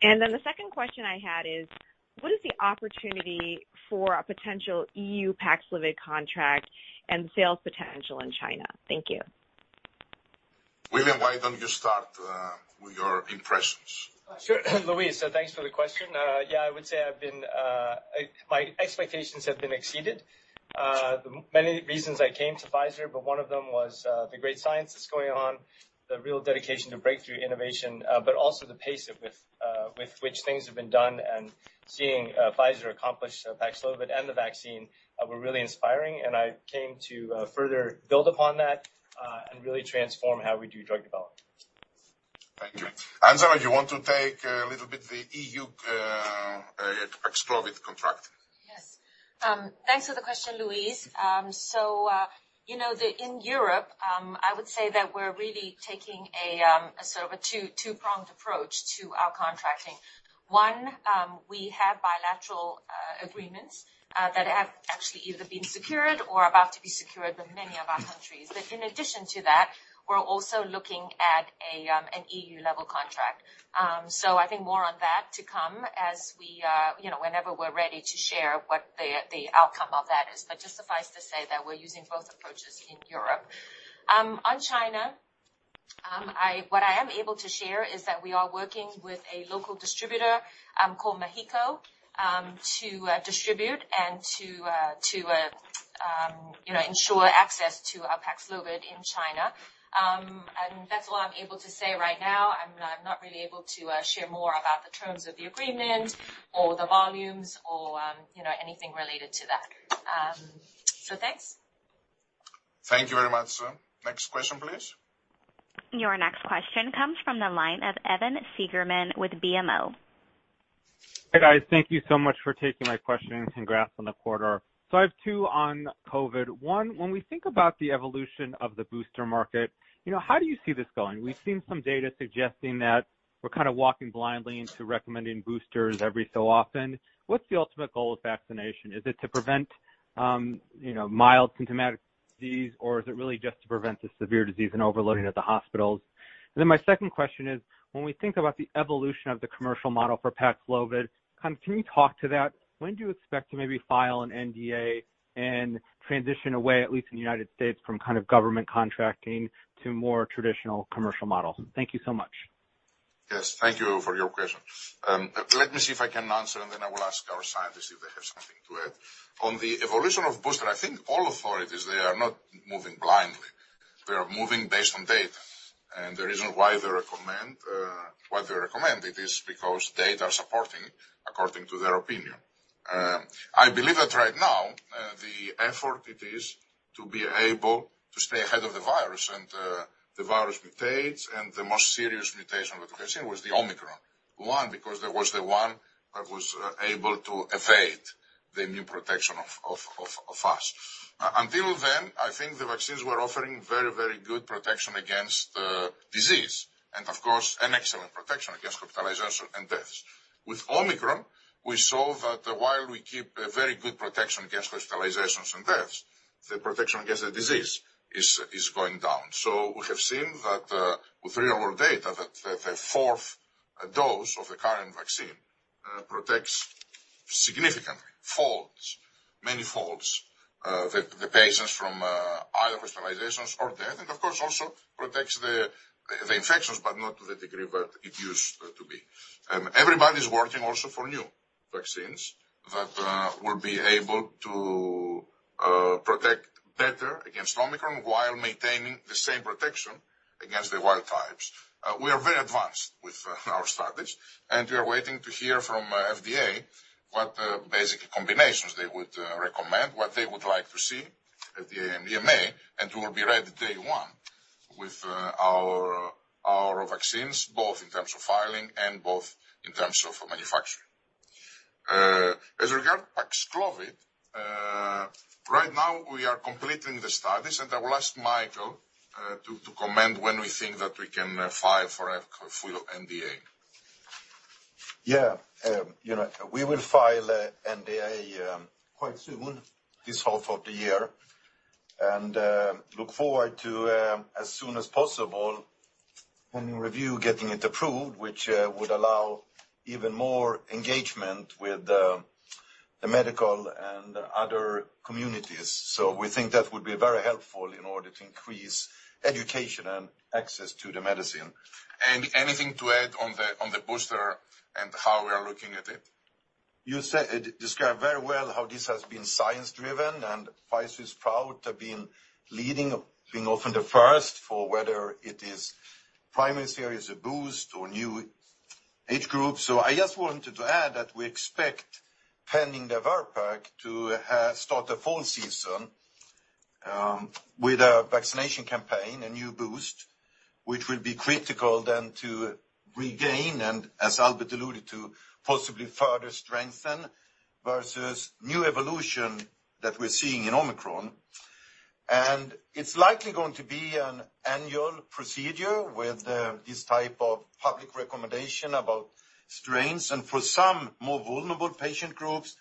Then the second question I had is, what is the opportunity for a potential EU Paxlovid contract and sales potential in China? Thank you. William, why don't you start with your impressions? Sure, Louise. Thanks for the question. Yeah, I would say my expectations have been exceeded. Many reasons I came to Pfizer, but one of them was the great science that's going on, the real dedication to breakthrough innovation, but also the pace with which things have been done and seeing Pfizer accomplish Paxlovid and the vaccine were really inspiring and I came to further build upon that and really transform how we do drug development. Thank you. Angela, do you want to take a little bit the EU, Paxlovid contract? Yes. Thanks for the question, Louise. So, you know, in Europe, I would say that we're really taking a sort of a two-pronged approach to our contracting. One, we have bilateral agreements that have actually either been secured or are about to be secured with many of our countries. But in addition to that, we're also looking at an EU-level contract. So, I think more on that to come as we, you know, whenever we're ready to share what the outcome of that is. But just suffice to say that we're using both approaches in Europe. On China, what I am able to share is that we are working with a local distributor called China Meheco to distribute and to ensure access to Paxlovid in China. That's all I'm able to say right now. I'm not really able to share more about the terms of the agreement or the volumes or you know anything related to that. Thanks. Thank you very much. Next question, please. Your next question comes from the line of Evan Seigerman with BMO. Hey, guys. Thank you so much for taking my questions. Congrats on the quarter. I have two on COVID. One, when we think about the evolution of the booster market, you know, how do you see this going? We've seen some data suggesting that we're kind of walking blindly into recommending boosters every so often. What's the ultimate goal of vaccination? Is it to prevent, you know, mild symptomatic disease, or is it really just to prevent the severe disease and overloading at the hospitals? My second question is, when we think about the evolution of the commercial model for Paxlovid, kind of can you talk to that? When do you expect to maybe file an NDA and transition away, at least in the United States, from kind of government contracting to more traditional commercial models? Thank you so much. Yes, thank you for your question. Let me see if I can answer, and then I will ask our scientists if they have something to add. On the evolution of booster, I think all authorities, they are not moving blindly. They are moving based on data. The reason why they recommend it is because data are supporting according to their opinion. I believe that right now, the effort it is to be able to stay ahead of the virus and, the virus mutates, and the most serious mutation that we have seen was the Omicron one, because there was the one that was able to evade the new protection of us. Until then, I think the vaccines were offering very, very good protection against the disease, and of course, an excellent protection against hospitalization and deaths. With Omicron, we saw that while we keep a very good protection against hospitalizations and deaths, the protection against the disease is going down. We have seen that, with real-world data, that the fourth dose of the current vaccine protects significantly, folds, many folds, the patients from either hospitalizations or death, and of course, also protects the infections, but not to the degree that it used to be. Everybody's working also for new vaccines that will be able to protect better against Omicron while maintaining the same protection against the wild types. We are very advanced with our studies, and we are waiting to hear from FDA what bivalent combinations they would recommend, what they would like to see at the EMA, and we will be ready day one with our vaccines, both in terms of filing and both in terms of manufacturing. As regards Paxlovid, right now we are completing the studies, and I will ask Mikael to comment when we think that we can file for a full NDA. Yeah. You know, we will file NDA quite soon, this half of the year, and look forward to as soon as possible having review, getting it approved, which would allow even more engagement with the medical and other communities. We think that would be very helpful in order to increase education and access to the medicine. Anything to add on the booster and how we are looking at it? Described very well how this has been science-driven, and Pfizer is proud to have been leading, being often the first for whether it is primary series, a booster or new age group. I just wanted to add that we expect pending the VRBPAC to start the fall season with a vaccination campaign, a new booster, which will be critical then to regain and, as Albert alluded to, possibly further strengthen versus new evolution that we're seeing in Omicron. It's likely going to be an annual procedure with this type of public recommendation about strains. For some more vulnerable patient groups,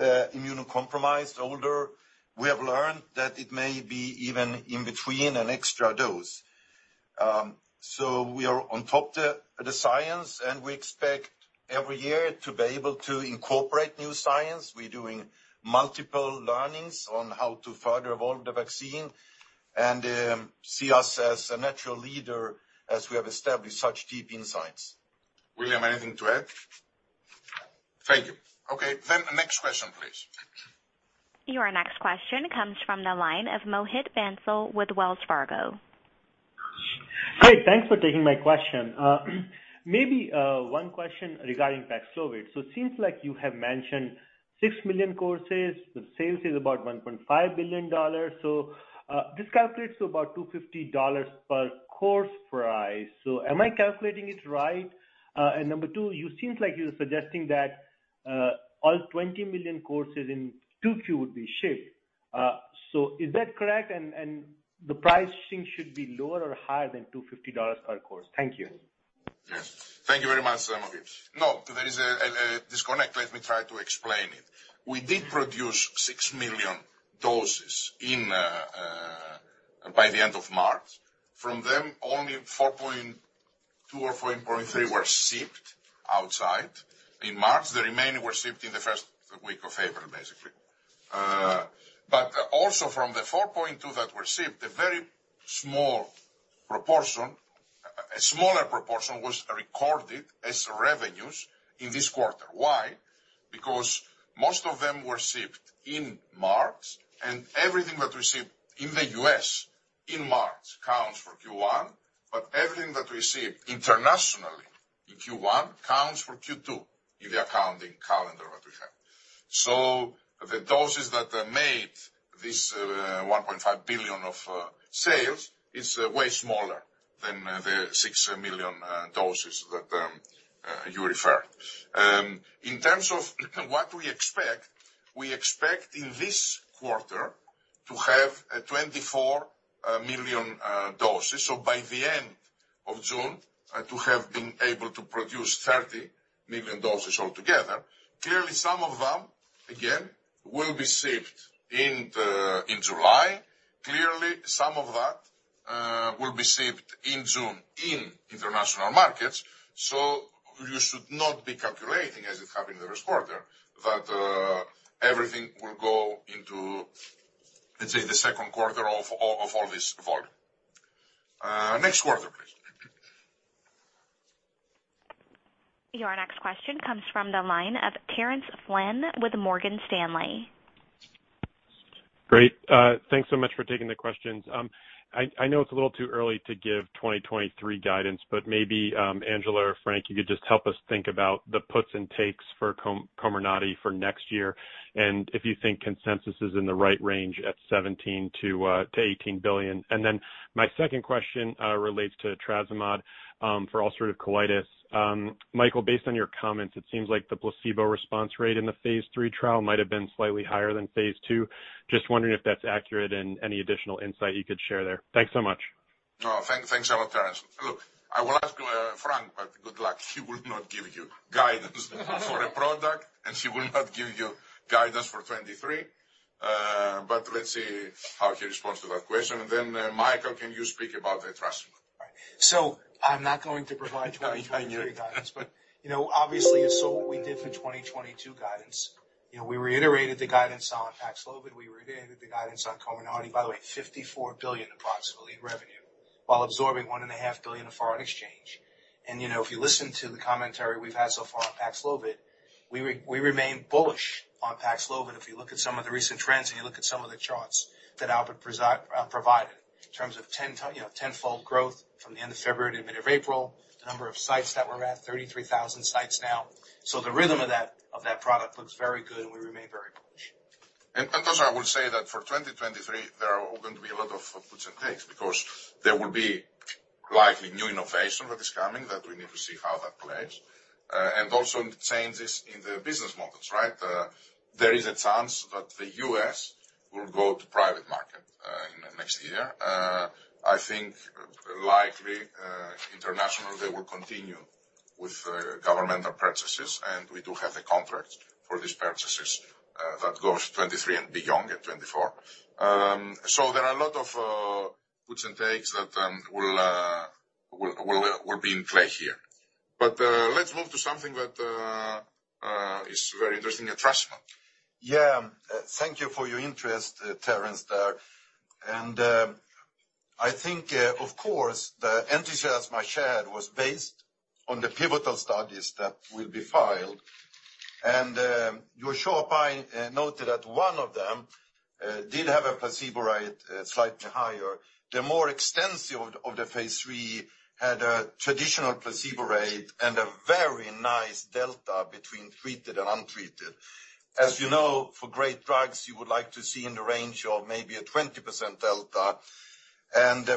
immunocompromised, older, we have learned that it may be even in between an extra dose. We are on top of the science, and we expect every year to be able to incorporate new science. We're doing multiple learnings on how to further evolve the vaccine and see us as a natural leader as we have established such deep insights. William, anything to add? Thank you. Okay. Next question, please. Your next question comes from the line of Mohit Bansal with Wells Fargo. Hi. Thanks for taking my question. Maybe one question regarding Paxlovid. It seems like you have mentioned 6 million courses. The sales is about $1.5 billion. This calculates to about $250 per course price. Am I calculating it right? Number two, you seems like you're suggesting that all 20 million courses in Q2 would be shipped. Is that correct? The pricing should be lower or higher than $250 per course? Thank you. Yes. Thank you very much, Mohit. No, there is a disconnect. Let me try to explain it. We did produce 6 million doses by the end of March. From them, only 4.2 or 4.3 were shipped outside in March. The remaining were shipped in the first week of April, basically. Also from the 4.2 that were shipped, a very small proportion, a smaller proportion was recorded as revenues in this quarter. Why? Because most of them were shipped in March, and everything that we shipped in the U.S. in March counts for Q1, but everything that we shipped internationally in Q1 counts for Q2 in the accounting calendar that we have. The doses that made this $1.5 billion of sales is way smaller than the 6 million doses that you refer. In terms of what we expect, we expect in this quarter to have a 24 million doses. By the end of June to have been able to produce 30 million doses altogether. Clearly, some of them, again, will be shipped in July. Clearly, some of that will be shipped in June in international markets. You should not be calculating as it happened in the Q1, that everything will go into, let's say, the Q2 of all this volume. Next question, please. Your next question comes from the line of Terence Flynn with Morgan Stanley. Great. Thanks so much for taking the questions. I know it's a little too early to give 2023 guidance, but maybe Angela or Frank, you could just help us think about the puts and takes for Comirnaty for next year, and if you think consensus is in the right range at $17 billion-$18 billion. Then my second question relates to etrasimod for ulcerative colitis. Mikael, based on your comments, it seems like the placebo response rate in the phase III trial might have been slightly higher than phase II. Just wondering if that's accurate and any additional insight you could share there. Thanks so much. No, thanks a lot, Terence. Look, I will ask you, Frank, but good luck. He will not give you guidance for a product, and he will not give you guidance for 2023. But let's see how he responds to that question. Then, Mikael, can you speak about the etrasimod? I'm not going to provide 2023 guidance. I knew it. You know, obviously, you saw what we did for 2022 guidance. You know, we reiterated the guidance on Paxlovid, we reiterated the guidance on Comirnaty. By the way, $54 billion approximately in revenue while absorbing $1.5 billion of foreign exchange. You know, if you listen to the commentary we've had so far on Paxlovid, we remain bullish on Paxlovid. If you look at some of the recent trends and you look at some of the charts that Albert provided in terms of tenfold growth from the end of February to the end of April, the number of sites that we're at, 33,000 sites now. The rhythm of that product looks very good, and we remain very bullish. I would say that for 2023, there are all going to be a lot of puts and takes because there will be likely new innovation that is coming that we need to see how that plays. Also changes in the business models, right? There is a chance that the U.S. will go to private market next year. I think likely, international, they will continue with governmental purchases, and we do have a contract for these purchases that goes 'til 2023 and beyond in 2024. So, there are a lot of puts and takes that will be in play here. Let's move to something that is very interesting at etrasimod. Yeah. Thank you for your interest, Terence there. I think, of course, the efficacy etrasimod shared was based on the pivotal studies that will be filed. As I noted that one of them did have a placebo rate slightly higher. The more extensive of the phase III had a traditional placebo rate and a very nice delta between treated and untreated. As you know, for great drugs, you would like to see in the range of maybe a 20% delta.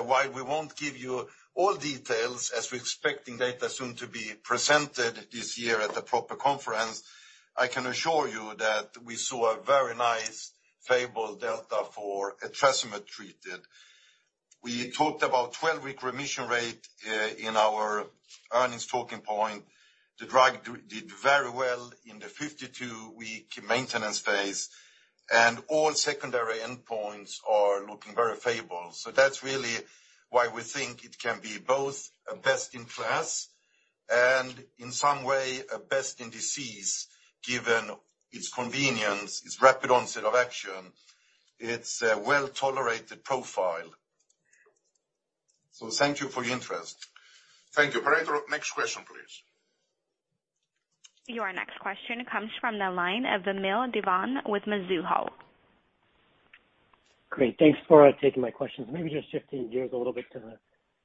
While we won't give you all details as we're expecting data soon to be presented this year at the proper conference, I can assure you that we saw a very nice favorable delta for etrasimod treated. We talked about 12-week remission rate in our earnings talking point. The drug did very well in the 52-week maintenance phase, and all secondary endpoints are looking very favorable. That's really why we think it can be both a best in class and in some way a best in disease, given its convenience, its rapid onset of action, its well-tolerated profile. Thank you for your interest. Thank you. Operator, next question, please. Your next question comes from the line of Vamil Divan with Mizuho. Great. Thanks for taking my questions. Maybe just shifting gears a little bit to the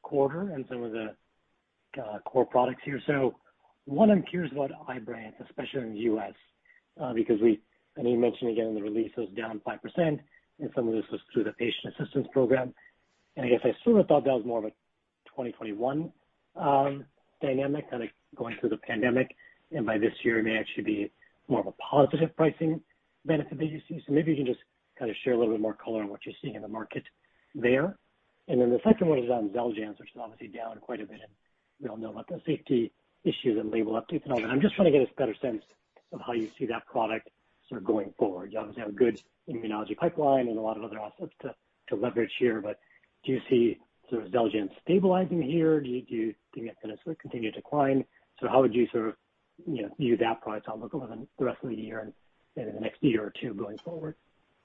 quarter and some of the core products here. One, I'm curious about Ibrance, especially in the U.S., because, and you mentioned again, the release was down 5% and some of this was through the patient assistance program. I guess I sort of thought that was more of a 2021 dynamic kind of going through the pandemic, and by this year it may actually be more of a positive pricing benefit that you see. Maybe you can just kind of share a little bit more color on what you're seeing in the market there. Then the second one is on Xeljanz, which is obviously down quite a bit, and we all know about the safety issues and label updates and all that. I'm just trying to get a better sense of how you see that product sort of going forward. You obviously have a good immunology pipeline and a lot of other assets to leverage here, but do you see sort of Xeljanz stabilizing here? Do you think it's going to continue to decline? How would you sort of, you know, view that product outlook over the rest of the year and in the next year or two going forward?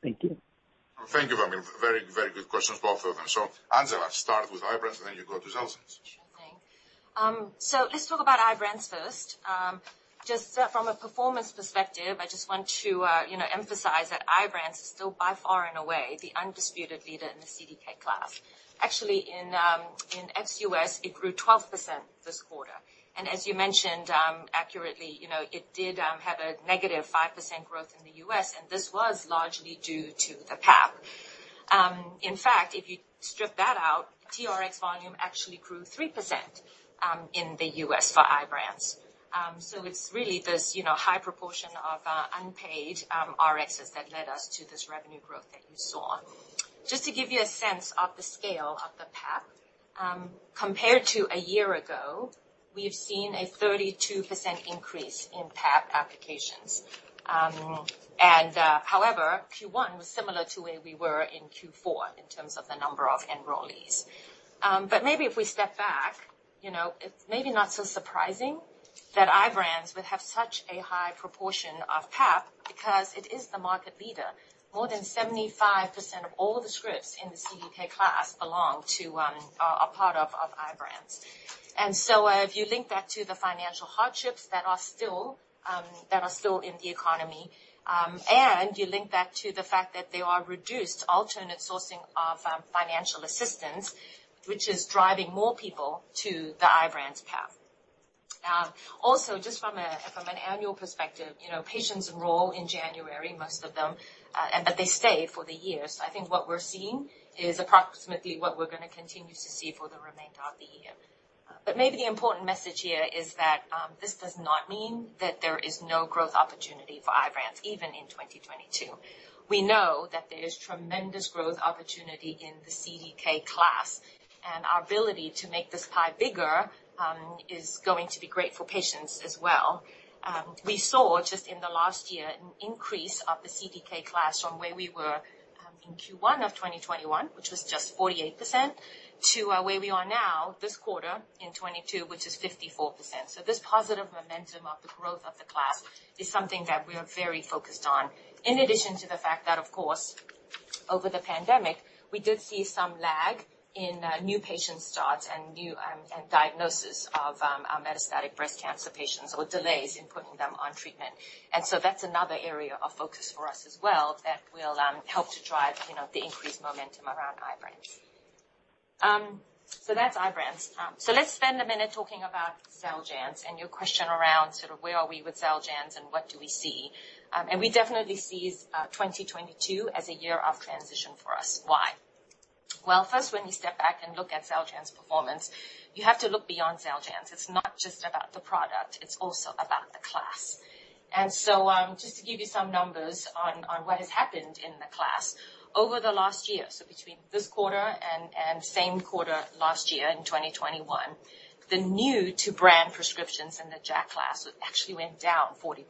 Thank you. Thank you, Vamil. Very, very good questions, both of them. Angela, start with Ibrance, and then you go to Xeljanz. Sure thing. Let's talk about Ibrance first. Just from a performance perspective, I just want to, you know, emphasize that Ibrance is still by far and away the undisputed leader in the CDK class. Actually, in ex-U.S., it grew 12% this quarter. As you mentioned, accurately, you know, it did have a -5% growth in the U.S., and this was largely due to the PAP. In fact, if you strip that out, TRX volume actually grew 3% in the U.S. for Ibrance. It's really this, you know, high proportion of unpaid RXs that led us to this revenue growth that you saw. Just to give you a sense of the scale of the PAP, compared to a year ago, we've seen a 32% increase in PAP applications. however, Q1 was similar to where we were in Q4 in terms of the number of enrollees. Maybe if we step back You know, it's maybe not so surprising that Ibrance would have such a high proportion of PAP because it is the market leader. More than 75% of all the scripts in the CDK class belong to, are a part of Ibrance. If you link that to the financial hardships that are still in the economy, and you link that to the fact that there's reduced alternative sources of financial assistance, which is driving more people to the Ibrance path. Also just from an annual perspective, you know, patients enroll in January, most of them, but they stay for the year. I think what we're seeing is approximately what we're gonna continue to see for the remainder of the year. Maybe the important message here is that, this does not mean that there is no growth opportunity for Ibrance even in 2022. We know that there is tremendous growth opportunity in the CDK class, and our ability to make this pie bigger, is going to be great for patients as well. We saw just in the last year an increase of the CDK class from where we were, in Q1 of 2021, which was just 48%, to where we are now this quarter in 2022, which is 54%. This positive momentum of the growth of the class is something that we are very focused on. In addition to the fact that of course, over the pandemic we did see some lag in new patient starts and new and diagnosis of metastatic breast cancer patients or delays in putting them on treatment. That's another area of focus for us as well that will help to drive you know, the increased momentum around Ibrance. So that's Ibrance. Let's spend a minute talking about Xeljanz and your question around sort of where are we with Xeljanz and what do we see. We definitely see 2022 as a year of transition for us. Why? Well, first, when you step back and look at Xeljanz performance, you have to look beyond Xeljanz. It's not just about the product, it's also about the class. Just to give you some numbers on what has happened in the class over the last year, between this quarter and same quarter last year in 2021, the new to brand prescriptions in the JAK class actually went down 40%.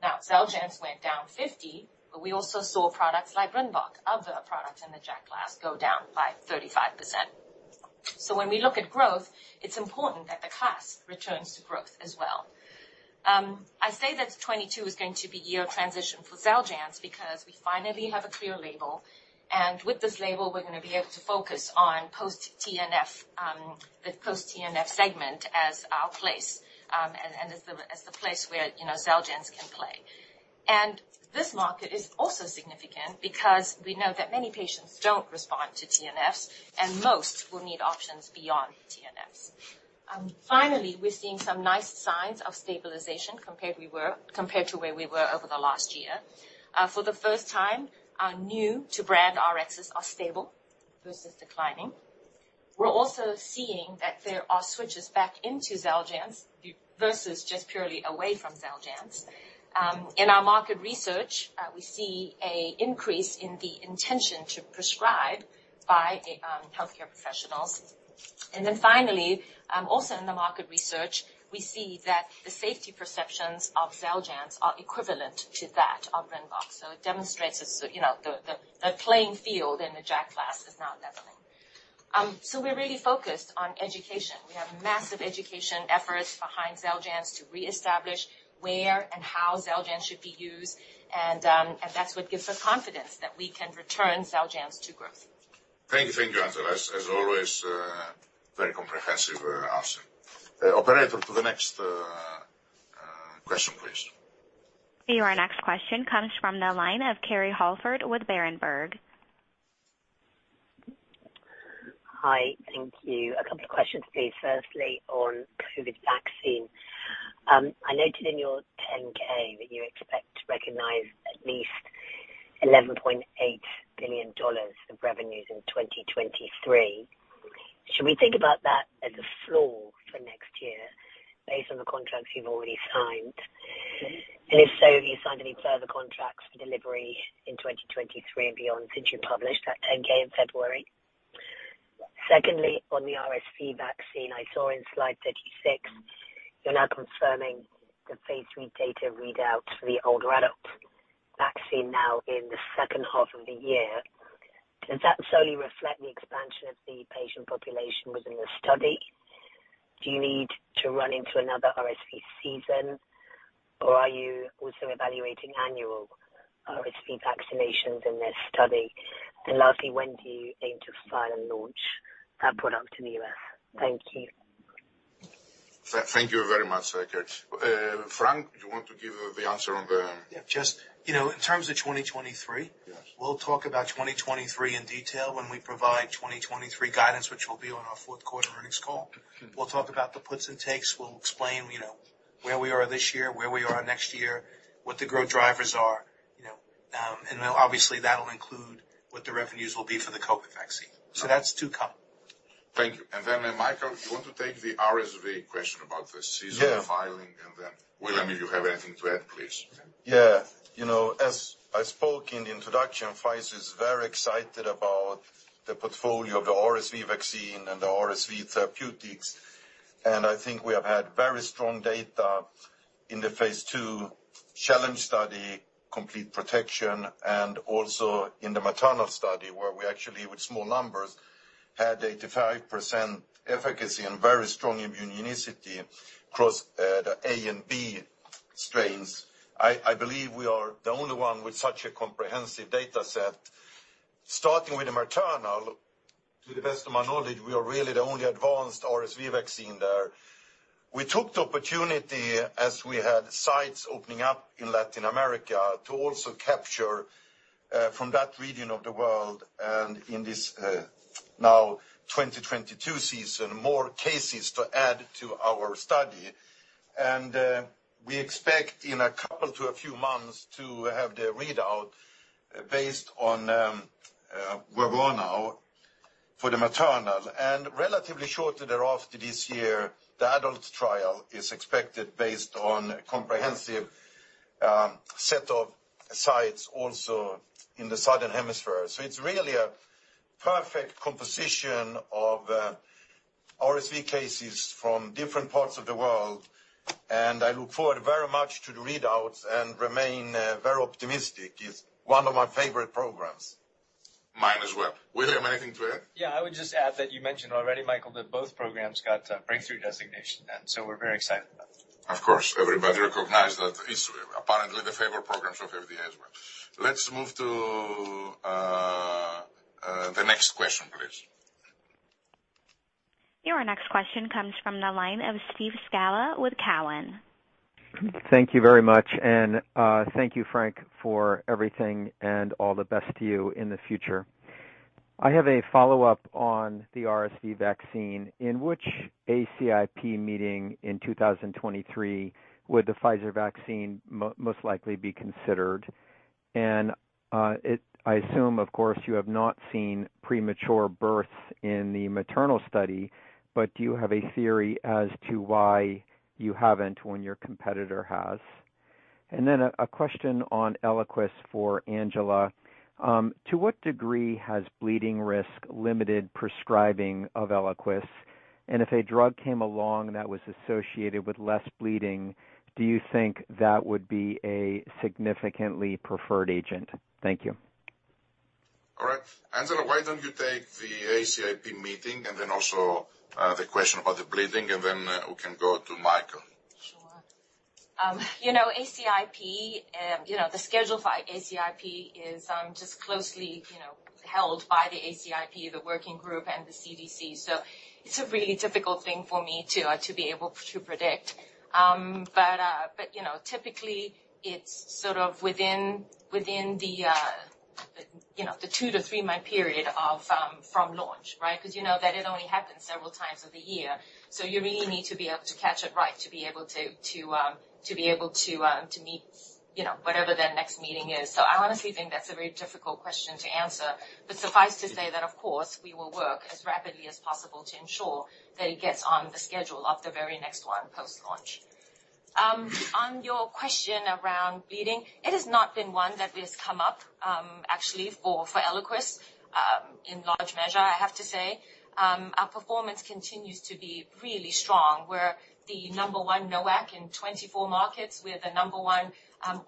Now Xeljanz went down 50%, but we also saw products like Rinvoq, other products in the JAK class go down by 35%. When we look at growth, it's important that the class returns to growth as well. I say that 2022 is going to be year of transition for Xeljanz because we finally have a clear label, and with this label we're going to be able to focus on post TNF, the post TNF segment as our place, and as the place where, you know, Xeljanz can play. This market is also significant because we know that many patients don't respond to TNFs, and most will need options beyond TNFs. Finally, we're seeing some nice signs of stabilization compared to where we were over the last year. For the first time, our new to brand Rx's are stable versus declining. We're also seeing that there are switches back into Xeljanz versus just purely away from Xeljanz. In our market research, we see an increase in the intention to prescribe by healthcare professionals. Finally, also in the market research, we see that the safety perceptions of Xeljanz are equivalent to that of Rinvoq. It demonstrates you know, the playing field in the JAK class is now leveling. We're really focused on education. We have massive education efforts behind Xeljanz to reestablish where and how Xeljanz should be used and that's what gives us confidence that we can return Xeljanz to growth. Thank you. Thank you, Angela. As always, very comprehensive answer. Operator, to the next question, please. Your next question comes from the line of Kerry Holford with Berenberg. Hi. Thank you. A couple of questions, please. Firstly, on COVID vaccine. I noted in your 10-K that you expect to recognize at least $11.8 billion of revenues in 2023. Should we think about that as a floor for next year based on the contracts you've already signed? If so, have you signed any further contracts for delivery in 2023 and beyond since you published that 10-K in February? Secondly, on the RSV vaccine, I saw in slide 36 you're now confirming the phase III data readout for the older adult vaccine now in the second half of the year. Does that solely reflect the expansion of the patient population within the study? Do you need to run into another RSV season, or are you also evaluating annual RSV vaccinations in this study? Lastly, when do you aim to file and launch that product in the U.S.? Thank you. Thank you very much, Kerry. Frank, do you want to give the answer on the? Yeah. Just, you know, in terms of 2023. Yes. We'll talk about 2023 in detail when we provide 2023 guidance, which will be on our Q4 earnings call. We'll talk about the puts and takes. We'll explain, you know, where we are this year, where we are next year, what the growth drivers are, you know, and obviously, that'll include what the revenues will be for the COVID vaccine. That's to come. Thank you. Mikael, you want to take the RSV question about the seasonal- Yeah. William, you have anything to add, please? Yeah. You know, as I spoke in the introduction, Pfizer is very excited about the portfolio of the RSV vaccine and the RSV therapeutics. I think we have had very strong data in the phase II challenge study, complete protection, and also in the maternal study, where we actually, with small numbers, had 85% efficacy and very strong immunogenicity across the A and B strains. I believe we are the only one with such a comprehensive data set. Starting with the maternal, to the best of my knowledge, we are really the only advanced RSV vaccine there. We took the opportunity, as we had sites opening up in Latin America, to also capture from that region of the world and in this now 2022 season, more cases to add to our study. We expect in a couple to a few months to have the readout based on where we are now for the maternal. Relatively shortly thereafter this year, the adult trial is expected based on comprehensive set of sites also in the Southern Hemisphere. It's really a perfect composition of RSV cases from different parts of the world, and I look forward very much to the readouts and remain very optimistic. It's one of my favorite programs. Me as well. William, anything to add? Yeah. I would just add that you mentioned already, Mikael, that both programs got breakthrough designation, and so we're very excited about that. Of course, everybody recognizes that it's apparently the favorite programs of FDA as well. Let's move to the next question, please. Your next question comes from the line of Steve Scala with Cowen. Thank you very much. Thank you, Frank, for everything, and all the best to you in the future. I have a follow-up on the RSV vaccine. In which ACIP meeting in 2023 would the Pfizer vaccine most likely be considered? I assume, of course, you have not seen premature births in the maternal study, but do you have a theory as to why you haven't when your competitor has? A question on Eliquis for Angela. To what degree has bleeding risk limited prescribing of Eliquis? And if a drug came along that was associated with less bleeding, do you think that would be a significantly preferred agent? Thank you. All right. Angela, why don't you take the ACIP meeting and then also, the question about the bleeding, and then, we can go to Mikael. Sure. You know, ACIP, you know, the schedule for ACIP is just closely, you know, held by the ACIP, the working group, and the CDC. It's a really difficult thing for me to be able to predict. But you know, typically it's sort of within the, you know, the two-three-month period from launch, right? 'Cause you know that it only happens several times of the year. You really need to be able to catch it right to be able to meet, you know, whatever their next meeting is. I honestly think that's a very difficult question to answer. Suffice to say that, of course, we will work as rapidly as possible to ensure that it gets on the schedule of the very next one post-launch. On your question around bleeding, it has not been one that has come up, actually for Eliquis, in large measure, I have to say. Our performance continues to be really strong. We're the number one NOAC in 24 markets. We're the number one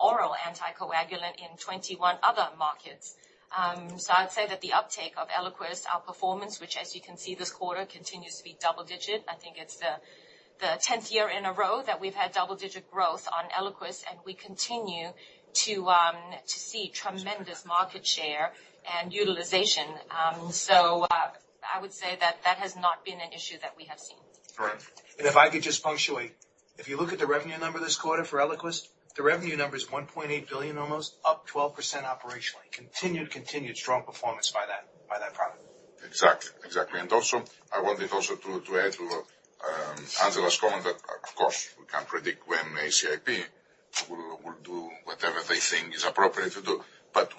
oral anticoagulant in 21 other markets. So, I'd say that the uptake of Eliquis, our performance, which as you can see this quarter continues to be double-digit. I think it's the tenth year in a row that we've had double-digit growth on Eliquis, and we continue to see tremendous market share and utilization. I would say that has not been an issue that we have seen. All right. If I could just interject. If you look at the revenue number this quarter for Eliquis, the revenue number is almost $1.8 billion, up 12% operationally. Continued strong performance by that product. Exactly. I wanted also to add to Angela's comment that, of course, we can't predict when ACIP will do whatever they think is appropriate to do.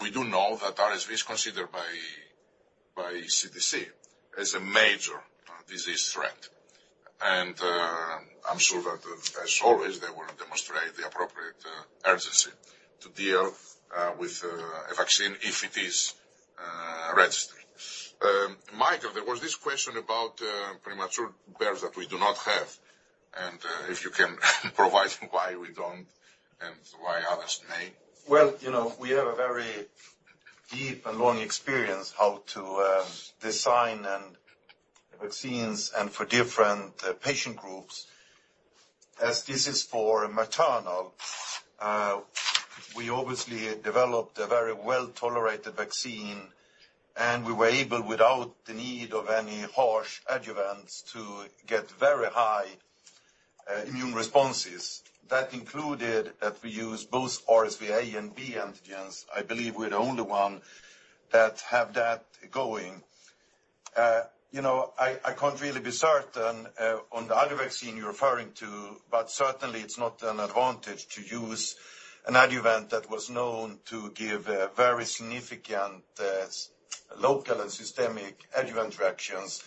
We do know that RSV is considered by CDC as a major disease threat. I'm sure that as always, they will demonstrate the appropriate urgency to deal with a vaccine if it is registered. Mikael, there was this question about premature births that we do not have, and if you can provide why we don't and why others may. Well, you know, we have a very deep and long experience how to design and vaccines and for different patient groups. As this is for maternal, we obviously developed a very well-tolerated vaccine, and we were able, without the need of any harsh adjuvants, to get very high immune responses. That included that we use both RSV A and B antigens. I believe we're the only one that have that going. You know, I can't really be certain on the other vaccine you're referring to, but certainly it's not an advantage to use an adjuvant that was known to give a very significant local and systemic adjuvant reactions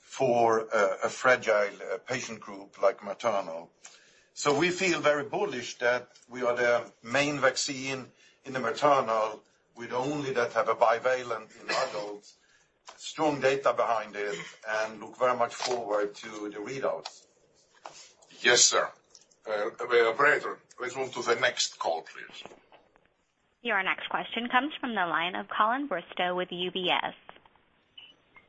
for a fragile patient group like maternal. We feel very bullish that we are the main vaccine in the maternal, with only one that has a bivalent in adults, strong data behind it, and look very much forward to the readouts. Yes, sir. Operator, let's move to the next call, please. Your next question comes from the line of Colin Bristow with UBS.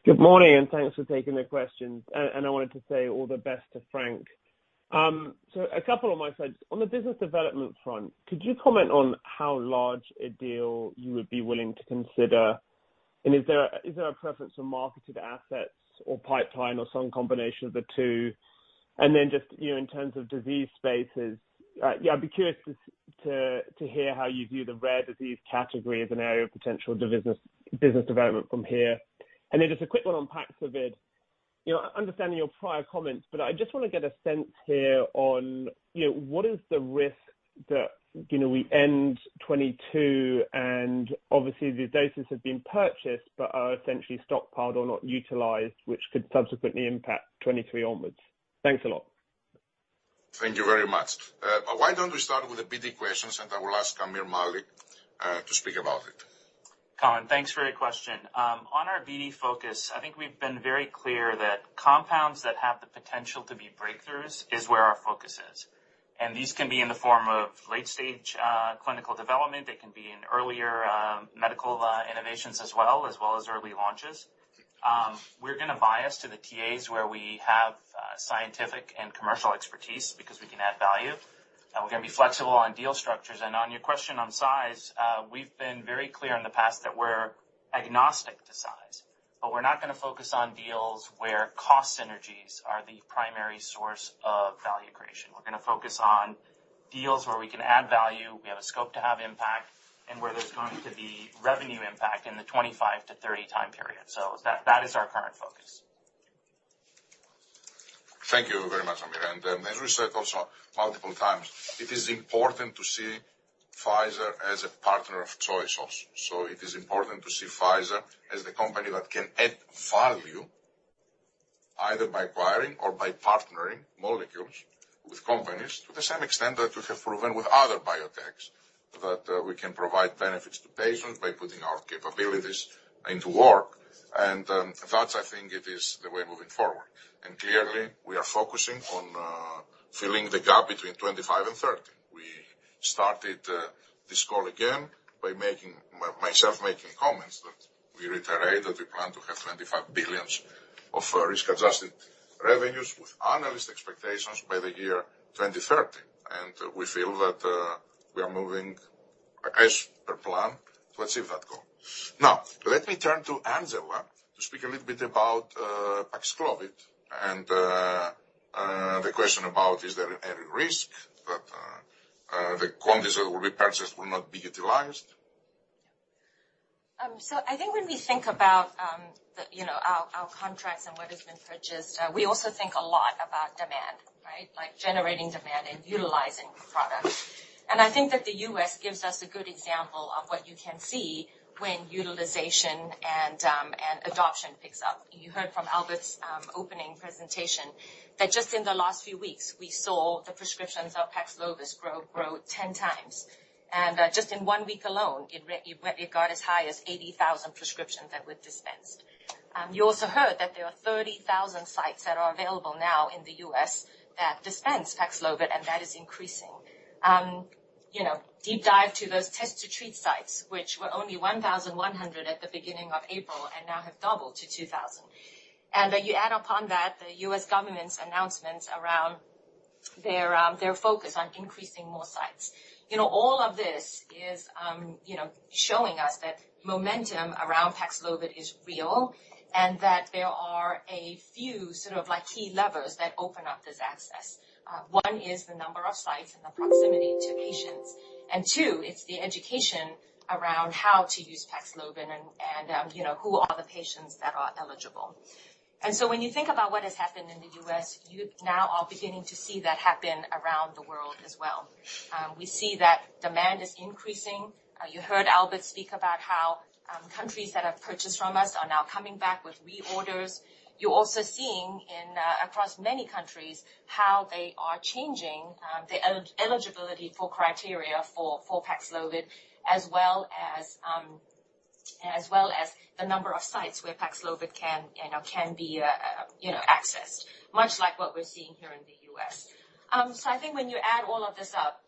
Good morning, thanks for taking the questions. I wanted to say all the best to Frank. A couple of my slides. On the business development front, could you comment on how large a deal you would be willing to consider? Is there a preference for marketed assets or pipeline, or some combination of the two? Just, you know, in terms of disease spaces, I'd be curious to hear how you view the rare disease category as an area of potential business development from here. Just a quick one on Paxlovid. You know, understanding your prior comments, but I just wanna get a sense here on, you know, what is the risk that, you know, we end 2022, and obviously these doses have been purchased, but are essentially stockpiled or not utilized, which could subsequently impact 2023 onwards. Thanks a lot. Thank you very much. Why don't we start with the BD questions, and I will ask Aamir Malik to speak about it. Colin, thanks for your question. On our BD focus, I think we've been very clear that compounds that have the potential to be breakthroughs is where our focus is. These can be in the form of late-stage clinical development, they can be in earlier medical innovations as well as early launches. We're going to bias to the TAs where we have scientific and commercial expertise, because we can add value. We're going to be flexible on deal structures. On your question on size, we've been very clear in the past that we're agnostic to size. We're not going to focus on deals where cost synergies are the primary source of value creation. We're gonna focus on deals where we can add value, we have a scope to have impact, and where there's going to be revenue impact in the 25-30 time period. That is our current focus. Thank you very much, Amir. As we said also multiple times, it is important to see Pfizer as a partner of choice also. It is important to see Pfizer as the company that can add value, either by acquiring or by partnering molecules with companies to the same extent that we have proven with other biotechs, that we can provide benefits to patients by putting our capabilities into work. That I think it is the way moving forward. Clearly, we are focusing on filling the gap between $25 billion and $30 billion. We started this call again by making comments that we reiterate that we plan to have $25 billion of risk-adjusted revenues within analyst expectations by the year 2030. We feel that we are moving as per plan to achieve that goal. Now, let me turn to Angela to speak a little bit about Paxlovid and the question about is there any risk that the quantities that will be purchased will not be utilized. Yeah. I think when we think about the you know our contracts and what has been purchased, we also think a lot about demand right? Like generating demand and utilizing the product. I think that the U.S. gives us a good example of what you can see when utilization and adoption picks up. You heard from Albert Bourla's opening presentation that just in the last few weeks we saw the prescriptions of Paxlovid grow 10x. Just in one week alone it got as high as 80,000 prescriptions that were dispensed. You also heard that there are 30,000 sites that are available now in the U.S. that dispense Paxlovid and that is increasing. You know, deep dive to those Test to Treat sites, which were only 1,100 at the beginning of April and now have doubled to 2,000. You add upon that the U.S. government's announcements around their focus on increasing more sites. You know, all of this is, you know, showing us that momentum around Paxlovid is real and that there are a few sort of like key levers that open up this access. One is the number of sites and the proximity to patients. Two, it's the education around how to use Paxlovid and, you know, who are the patients that are eligible. When you think about what has happened in the U.S., you now are beginning to see that happen around the world as well. We see that demand is increasing. You heard Albert speak about how countries that have purchased from us are now coming back with reorders. You're also seeing across many countries how they are changing the eligibility criteria for Paxlovid, as well as the number of sites where Paxlovid can, you know, be accessed, much like what we're seeing here in the U.S. I think when you add all of this up,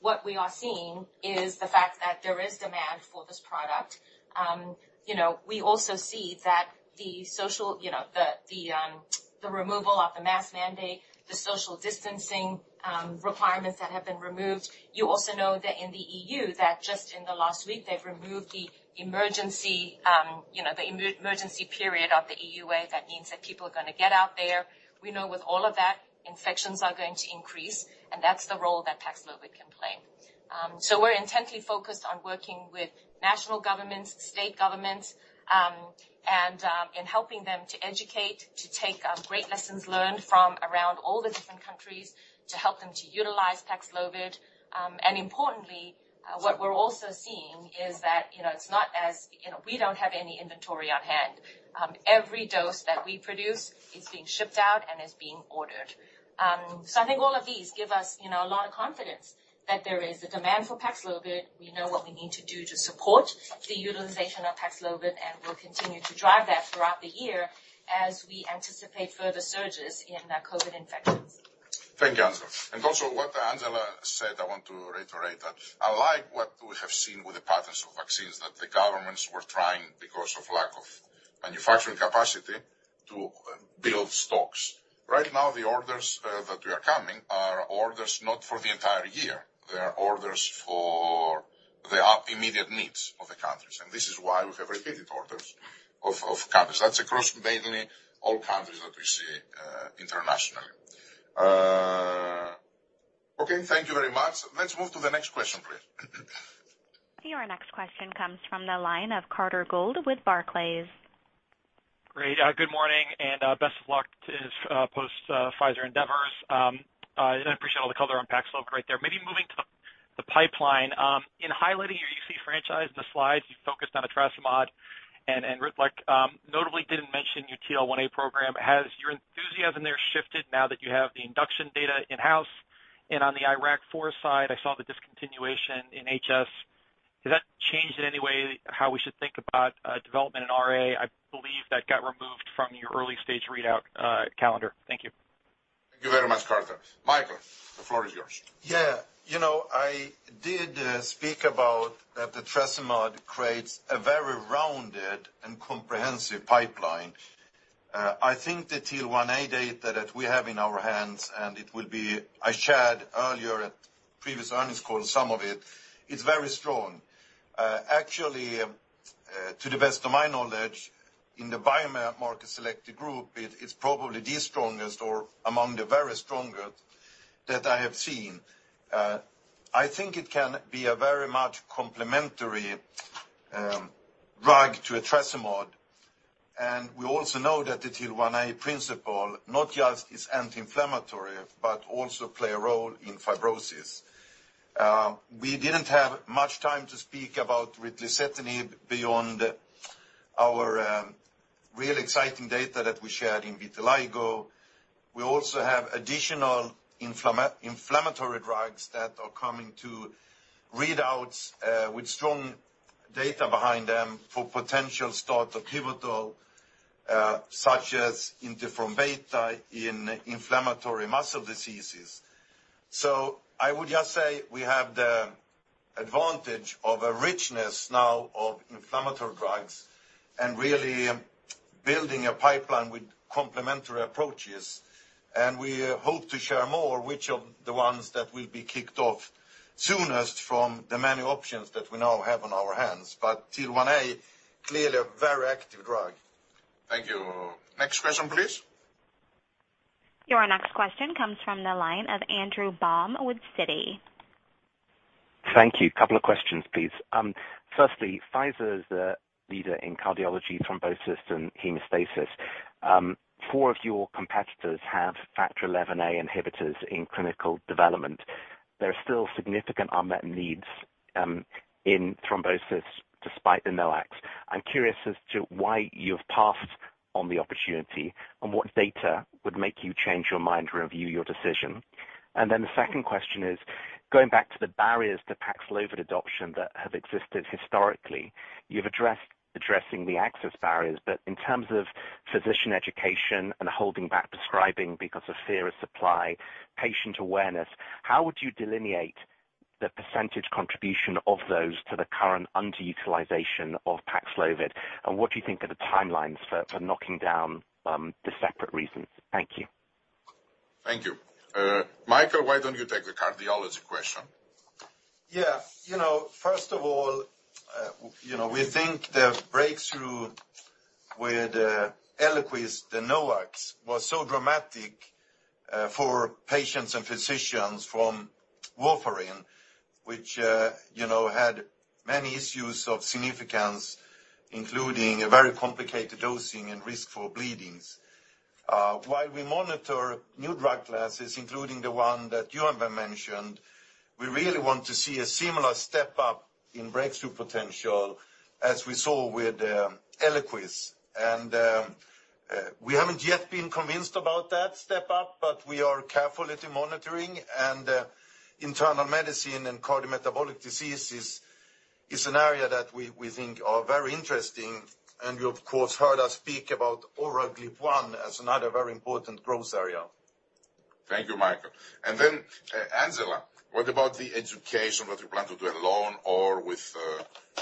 what we are seeing is the fact that there is demand for this product. You know, we also see that the removal of the mask mandate, the social distancing requirements that have been removed. You also know that in the EU, that just in the last week, they've removed the emergency, you know, the emergency period of the EUA. That means that people are going to get out there. We know with all of that, infections are going to increase, and that's the role that Paxlovid can play. We're intently focused on working with national governments, state governments, and in helping them to educate, to take great lessons learned from around all the different countries to help them to utilize Paxlovid. Importantly, what we're also seeing is that, you know, it's not as, you know, we don't have any inventory on hand. Every dose that we produce is being shipped out and is being ordered. I think all of these give us, you know, a lot of confidence that there is a demand for Paxlovid. We know what we need to do to support the utilization of Paxlovid, and we'll continue to drive that throughout the year as we anticipate further surges in COVID infections. Thank you, Angela. Also, what Angela said, I want to reiterate that I like what we have seen with the patterns of vaccines, that the governments were trying because of lack of manufacturing capacity to build stocks. Right now, the orders that are coming are orders not for the entire year. They are orders for the immediate needs of the countries, and this is why we have repeated orders of countries. That's across mainly all countries that we see internationally. Okay, thank you very much. Let's move to the next question, please. Your next question comes from the line of Carter Gould with Barclays. Great. Good morning and best of luck to this post-Pfizer endeavors. I appreciate all the color on Paxlovid right there. Maybe moving to the pipeline. In highlighting your UC franchise, the slides you focused on etrasimod and like notably didn't mention your TL1A program. Has your enthusiasm there shifted now that you have the induction data in-house? On the IRAK4 side, I saw the discontinuation in HS. Has that changed in any way how we should think about development in RA? I believe that got removed from your early-stage readout calendar. Thank you. Thank you very much, Carter. Mikael, the floor is yours. Yeah. You know, I did speak about that etrasimod creates a very rounded and comprehensive pipeline. I think the TL1A data that we have in our hands. I shared earlier at previous earnings call some of it's very strong. Actually, to the best of my knowledge, in the biomed market selected group, it's probably the strongest or among the very strongest that I have seen. I think it can be a very much complementary drug to etrasimod. We also know that the TL1A protein not just is anti-inflammatory but also play a role in fibrosis. We didn't have much time to speak about ritlecitinib beyond our real exciting data that we shared in vitiligo. We also have additional inflammatory drugs that are coming to readouts, with strong data behind them for potential start of pivotal, such as interferon beta in inflammatory muscle diseases. I would just say we have the advantage of a richness now of inflammatory drugs and really building a pipeline with complementary approaches, and we hope to share more which of the ones that will be kicked off soonest from the many options that we now have on our hands. TL1A clearly a very active drug. Thank you. Next question, please. Your next question comes from the line of Andrew Baum with Citi. Thank you. Couple of questions, please. Firstly, Pfizer is the leader in cardiology, thrombosis, and hemostasis. Four of your competitors have Factor XIa inhibitors in clinical development. There are still significant unmet needs in thrombosis despite the NOACs. I'm curious as to why you've passed on the opportunity and what data would make you change your mind to review your decision. The second question is, going back to the barriers to Paxlovid adoption that have existed historically, you've addressed addressing the access barriers, but in terms of physician education and holding back prescribing because of fear of supply, patient awareness, how would you delineate the percentage contribution of those to the current underutilization of Paxlovid? And what do you think are the timelines for knocking down the separate reasons? Thank you. Thank you. Mikael, why don't you take the cardiology question? Yeah. You know, first of all, you know, we think the breakthrough with Eliquis, the NOACs, was so dramatic for patients and physicians from warfarin, which you know, had many issues of significance, including a very complicated dosing and risk for bleeding. While we monitor new drug classes, including the one that you have mentioned, we really want to see a similar step up in breakthrough potential as we saw with Eliquis. We haven't yet been convinced about that step up, but we are carefully monitoring and internal medicine and cardiometabolic diseases is an area that we think are very interesting. You of course heard us speak about oral GLP-1 as another very important growth area. Thank you, Mikael. Angela, what about the education, what you plan to do alone or with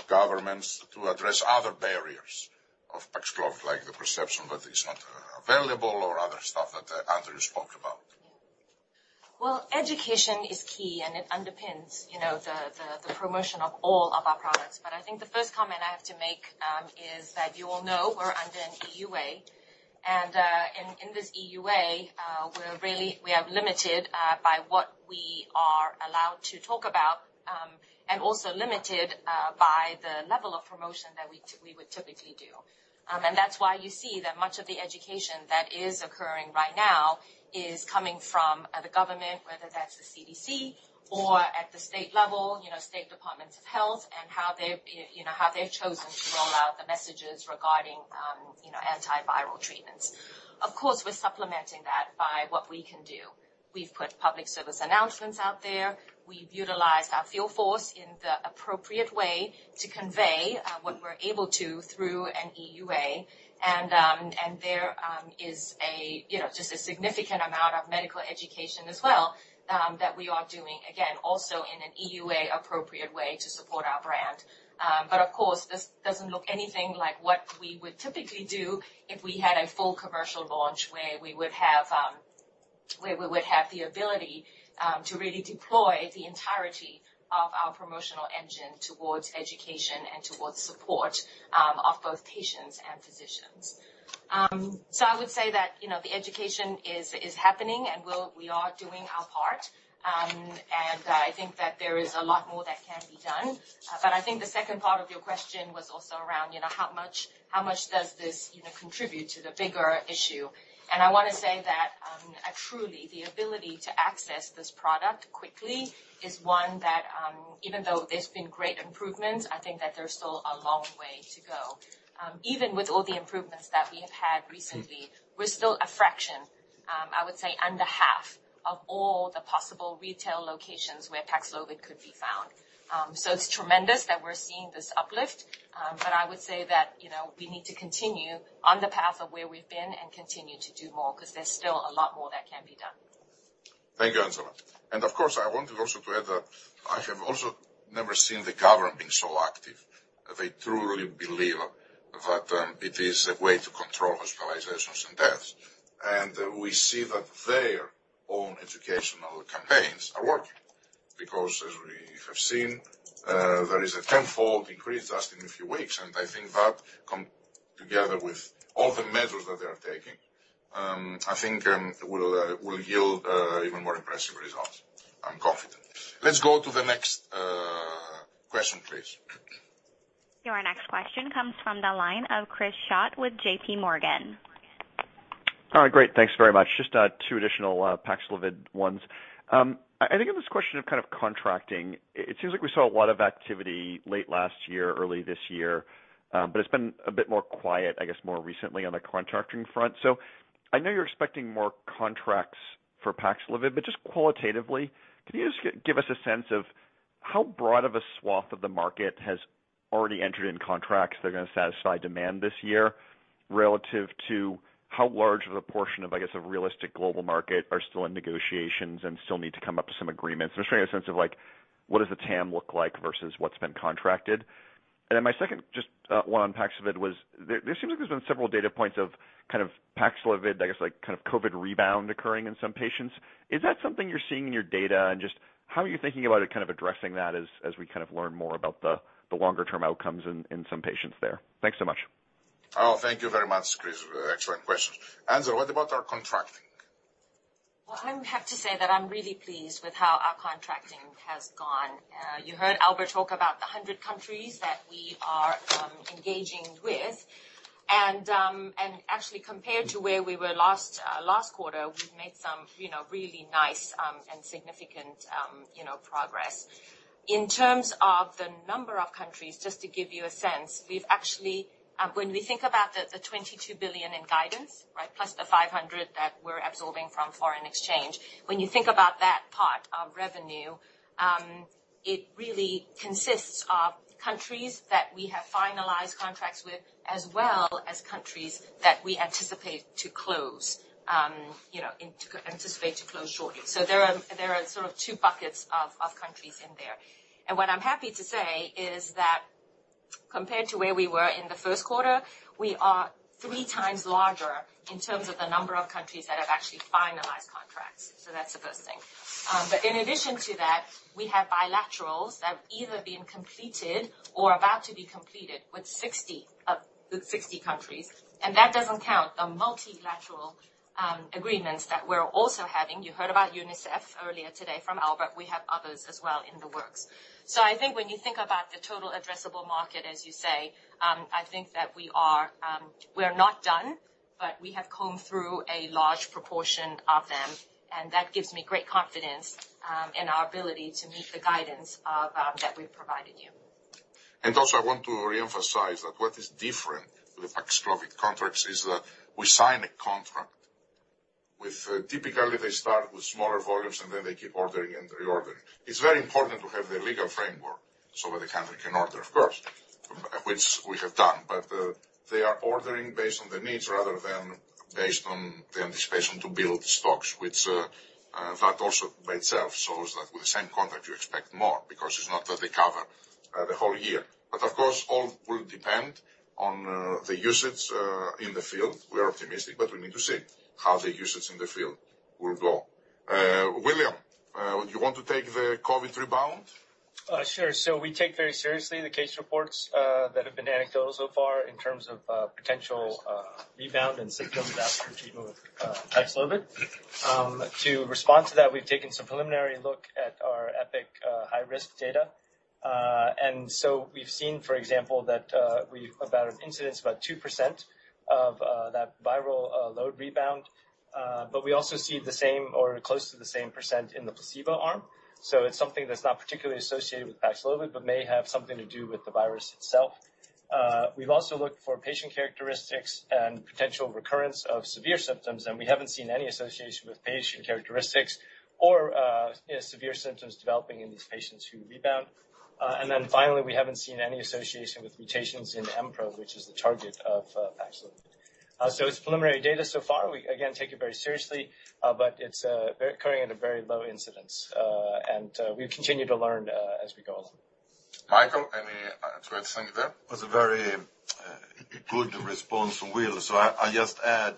governments to address other barriers of Paxlovid, like the perception that it's not available or other stuff that Andrew spoke about? Education is key, and it underpins, you know, the promotion of all of our products. I think the first comment I have to make is that you all know we're under an EUA. In this EUA, we are limited by what we are allowed to talk about and also limited by the level of promotion that we would typically do. That's why you see that much of the education that is occurring right now is coming from the government, whether that's the CDC or at the state level, you know, state departments of health and how they've chosen to roll out the messages regarding antiviral treatments. Of course, we're supplementing that by what we can do. We've put public service announcements out there. We've utilized our field force in the appropriate way to convey what we're able to through an EUA. There is a, you know, just a significant amount of medical education as well that we are doing again also in an EUA appropriate way to support our brand. But of course ,this doesn't look anything like what we would typically do if we had a full commercial launch where we would have the ability to really deploy the entirety of our promotional engine towards education and towards support of both patients and physicians. I would say that you know the education is happening and we are doing our part. I think that there is a lot more that can be done. I think the second part of your question was also around, you know, how much does this, you know, contribute to the bigger issue? I want to say that, truly the ability to access this product quickly is one that, even though there's been great improvements, I think that there's still a long way to go. Even with all the improvements that we have had recently, we're still a fraction, I would say under half of all the possible retail locations where Paxlovid could be found. It's tremendous that we're seeing this uplift. I would say that, you know, we need to continue on the path of where we've been and continue to do more because there's still a lot more that can be done. Thank you, Angela. Of course, I wanted also to add that I have also never seen the government being so active. They truly believe that it is a way to control hospitalizations and deaths. We see that their own educational campaigns are working because as we have seen, there is a tenfold increase just in a few weeks. I think that come together with all the measures that they are taking, I think, will yield even more impressive results. I'm confident. Let's go to the next question, please. Your next question comes from the line of Chris Schott with J.P. Morgan. All right. Great. Thanks very much. Just two additional Paxlovid ones. I think in this question of kind of contracting, it seems like we saw a lot of activity late last year, early this year, but it's been a bit more quiet, I guess, more recently on the contracting front. I know you're expecting more contracts for Paxlovid, but just qualitatively, can you just give us a sense of how broad of a swath of the market has already entered in contracts that are gonna satisfy demand this year relative to how large of a portion of, I guess, a realistic global market are still in negotiations and still need to come up to some agreements? I'm just trying to get a sense of like, what does the TAM look like versus what's been contracted. My second just one on Paxlovid was there seems like there's been several data points of kind of Paxlovid, I guess like kind of COVID rebound occurring in some patients. Is that something you're seeing in your data, and just how are you thinking about it, kind of addressing that as we kind of learn more about the longer term outcomes in some patients there? Thanks so much. Oh, thank you very much, Chris. Excellent questions. Angela, what about our contracting? Well, I have to say that I'm really pleased with how our contracting has gone. You heard Albert talk about the 100 countries that we are engaging with. Actually compared to where we were last quarter, we've made some, you know, really nice and significant, you know, progress. In terms of the number of countries, just to give you a sense, we've actually when we think about the $22 billion in guidance, right? Plus the $500 that we're absorbing from foreign exchange, when you think about that part of revenue, it really consists of countries that we have finalized contracts with, as well as countries that we anticipate to close shortly. There are sort of two buckets of countries in there. What I'm happy to say is that compared to where we were in the Q1, we are 3x larger in terms of the number of countries that have actually finalized contracts. That's the first thing. But in addition to that, we have bilateral that have either been completed or about to be completed with 60 countries. That doesn't count the multilateral agreements that we're also having. You heard about UNICEF earlier today from Albert. We have others as well in the works. I think when you think about the total addressable market, as you say, I think that we are, we're not done, but we have combed through a large proportion of them, and that gives me great confidence in our ability to meet the guidance of that we've provided you. I want to reemphasize that what is different with Paxlovid contracts is that we sign a contract with typically they start with smaller volumes, and then they keep ordering and reordering. It's very important to have the legal framework so that the country can order, of course, which we have done. They are ordering based on their needs rather than based on the anticipation to build stocks, which that also by itself shows that with the same contract, you expect more because it's not that they cover the whole year. Of course, all will depend on the usage in the field. We are optimistic, but we need to see how the usage in the field will go. William, would you want to take the COVID rebound? Sure. We take very seriously the case reports that have been anecdotal so far in terms of potential rebound in symptoms after treatment with Paxlovid. To respond to that, we've taken some preliminary look at our EPIC-HR high-risk data. We've seen, for example, that we have about an incidence of 2% of that viral load rebound. But we also see the same or close to the same percent in the placebo arm. It's something that's not particularly associated with Paxlovid but may have something to do with the virus itself. We've also looked for patient characteristics and potential recurrence of severe symptoms, and we haven't seen any association with patient characteristics or severe symptoms developing in these patients who rebound. Finally, we haven't seen any association with mutations in Mpro, which is the target of Paxlovid. It's preliminary data so far. We again take it very seriously, but it's occurring at a very low incidence. We continue to learn as we go along. Mikael, anything to add to that? It was a very good response from Will. I just add,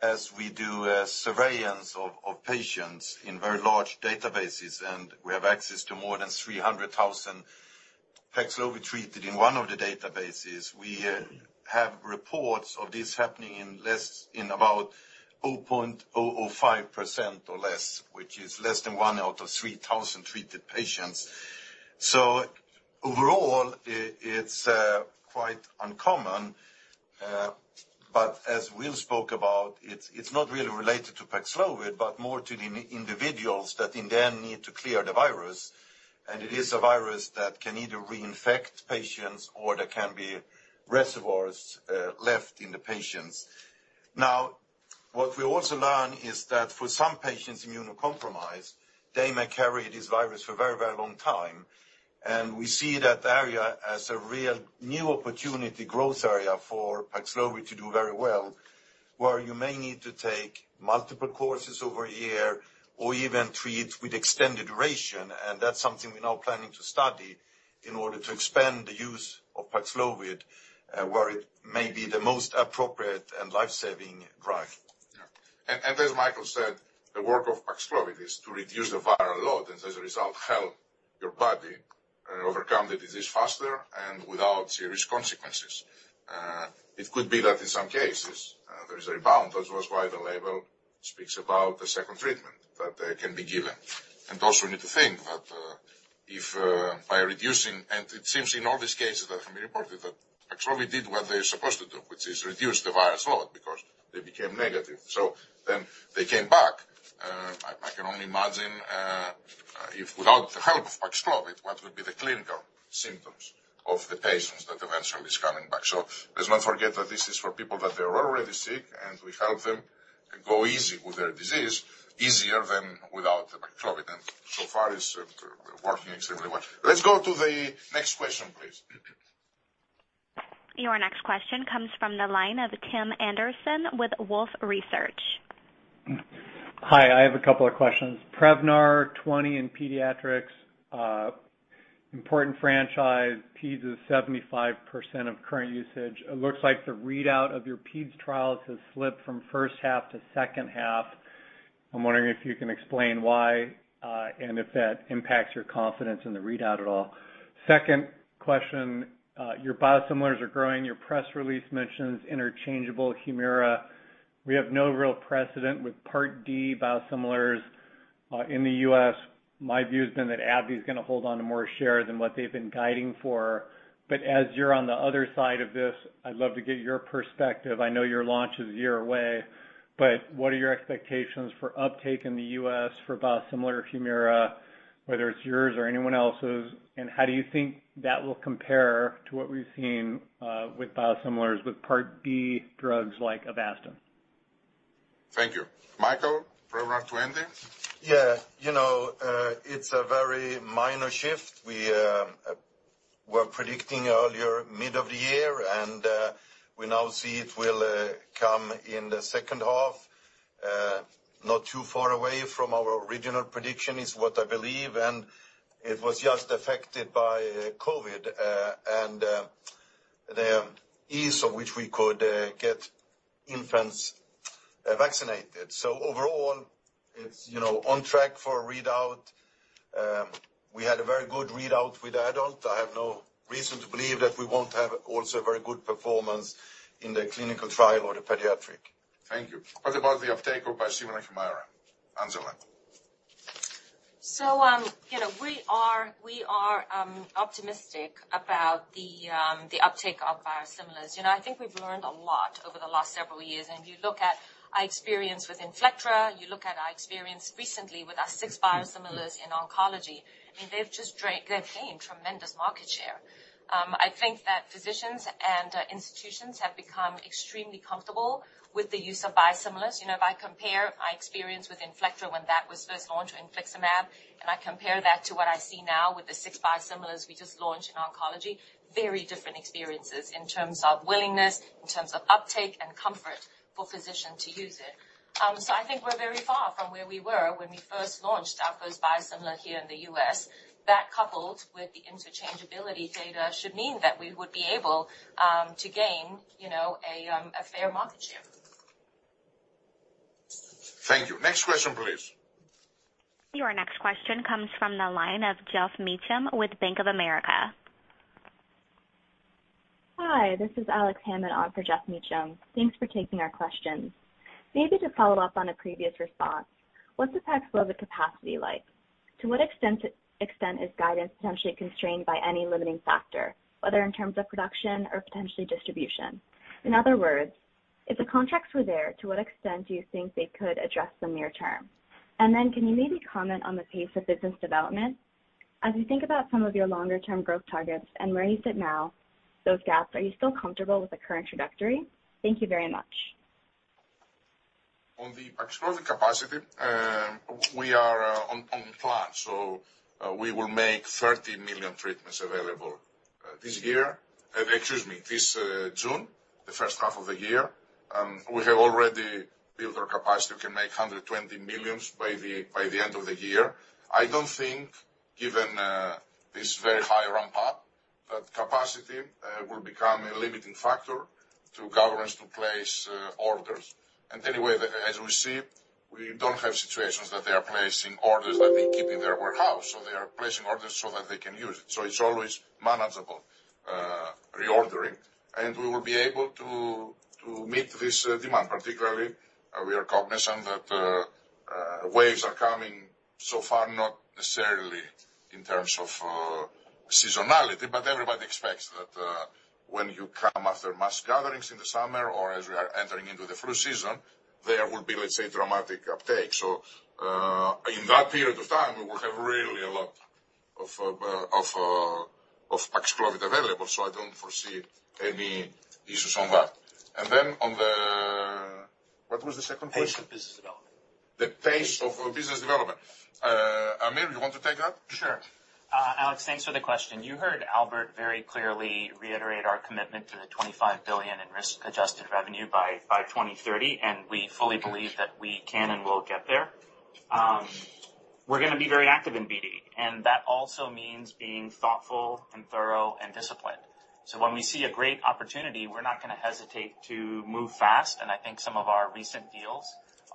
as we do surveillance of patients in very large databases, and we have access to more than 300,000 Paxlovid treated in one of the databases. We have reports of this happening in about 0.005% or less, which is less than one out of 3,000 treated patients. Overall, it's quite uncommon. But as Will spoke about, it's not really related to Paxlovid, but more to the individuals that then need to clear the virus. It is a virus that can either reinfect patients or there can be reservoirs left in the patients. What we also learn is that for some patients immunocompromised, they may carry this virus for a very, very long time. We see that area as a real new opportunity growth area for Paxlovid to do very well, where you may need to take multiple courses over a year or even treat with extended duration. That's something we're now planning to study in order to expand the use of Paxlovid, where it may be the most appropriate and life-saving drug. Yeah. As Mikael said, the work of Paxlovid is to reduce the viral load, and as a result, help your body overcome the disease faster and without serious consequences. It could be that in some cases there is a rebound. That was why the label speaks about the second treatment that can be given. It seems in all these cases that have been reported, that Paxlovid did what they're supposed to do, which is reduce the viral load because they became negative. Then they came back. I can only imagine if without the help of Paxlovid, what would be the clinical symptoms of the patients that eventually is coming back. Let's not forget that this is for people that they are already sick, and we help them go easy with their disease easier than without Paxlovid. So far, it's working extremely well. Let's go to the next question, please. Your next question comes from the line of Tim Anderson with Wolfe Research. Hi, I have a couple of questions. Prevnar 20 in pediatrics, important franchise. Peds is 75% of current usage. It looks like the readout of your peds trials has slipped from first half to second half. I'm wondering if you can explain why, and if that impacts your confidence in the readout at all. Second question, your biosimilars are growing. Your press release mentions interchangeable Humira. We have no real precedent with Part D biosimilars, in the U.S. My view has been that AbbVie is going to hold on to more shares than what they've been guiding for. As you're on the other side of this, I'd love to get your perspective. I know your launch is a year away, but what are your expectations for uptake in the U.S. for biosimilar Humira, whether it's yours or anyone else's? How do you think that will compare to what we've seen with biosimilars with Part D drugs like Avastin? Thank you. Mikael, Prevnar 20. Yeah. You know, it's a very minor shift. We were predicting earlier mid of the year, and we now see it will come in the second half. Not too far away from our original prediction is what I believe, and it was just affected by COVID, and the ease of which we could get infants vaccinated. So overall, it's, you know, on track for a readout. We had a very good readout with adult. I have no reason to believe that we won't have also a very good performance in the clinical trial or the pediatric. Thank you. What about the uptake of biosimilar Humira? Angela. You know, we are optimistic about the uptake of biosimilars. You know, I think we've learned a lot over the last several years, and you look at our experience with Inflectra, you look at our experience recently with our six biosimilars in oncology, I mean, they've gained tremendous market share. I think that physicians and institutions have become extremely comfortable with the use of biosimilars. You know, if I compare my experience with Inflectra when that was first launched in infliximab, and I compare that to what I see now with the six biosimilars we just launched in oncology, very different experiences in terms of willingness, in terms of uptake and comfort for physician to use it. I think we're very far from where we were when we first launched our first biosimilar here in the U.S. That coupled with the interchangeability data should mean that we would be able to gain, you know, a fair market share. Thank you. Next question, please. Your next question comes from the line of Geoff Meacham with Bank of America. Hi, this is Alex Hammond on for Geoff Meacham. Thanks for taking our questions. Maybe to follow up on a previous response, what's the Paxlovid capacity like? To what extent is guidance potentially constrained by any limiting factor, whether in terms of production or potentially distribution? In other words, if the contracts were there, to what extent do you think they could address the near term? Then can you maybe comment on the pace of business development? As you think about some of your longer-term growth targets and where you sit now, those gaps, are you still comfortable with the current trajectory? Thank you very much. On the Paxlovid capacity, we are on plan. We will make 30 million treatments available this June, the first half of the year. We have already built our capacity. We can make 120 million by the end of the year. I don't think given this very high ramp up that capacity will become a limiting factor to governments to place orders. Anyway, as we see, we don't have situations that they are placing orders that they keep in their warehouse. They are placing orders so that they can use it. It's always manageable reordering. We will be able to meet this demand. Particularly, we are cognizant that waves are coming so far, not necessarily in terms of seasonality, but everybody expects that when you come after mass gatherings in the summer or as we are entering into the flu season, there will be, let's say, dramatic uptake. In that period of time, we will have really a lot of Paxlovid available, so I don't foresee any issues on that. What was the second question? Pace of business development. The pace of business development. Aamir, you want to take that? Sure. Alex, thanks for the question. You heard Albert very clearly reiterate our commitment to the $25 billion in risk-adjusted revenue by 2030, and we fully believe that we can and will get there. We're going to be very active in BD, and that also means being thoughtful and thorough and disciplined. When we see a great opportunity, we're not going to hesitate to move fast, and I think some of our recent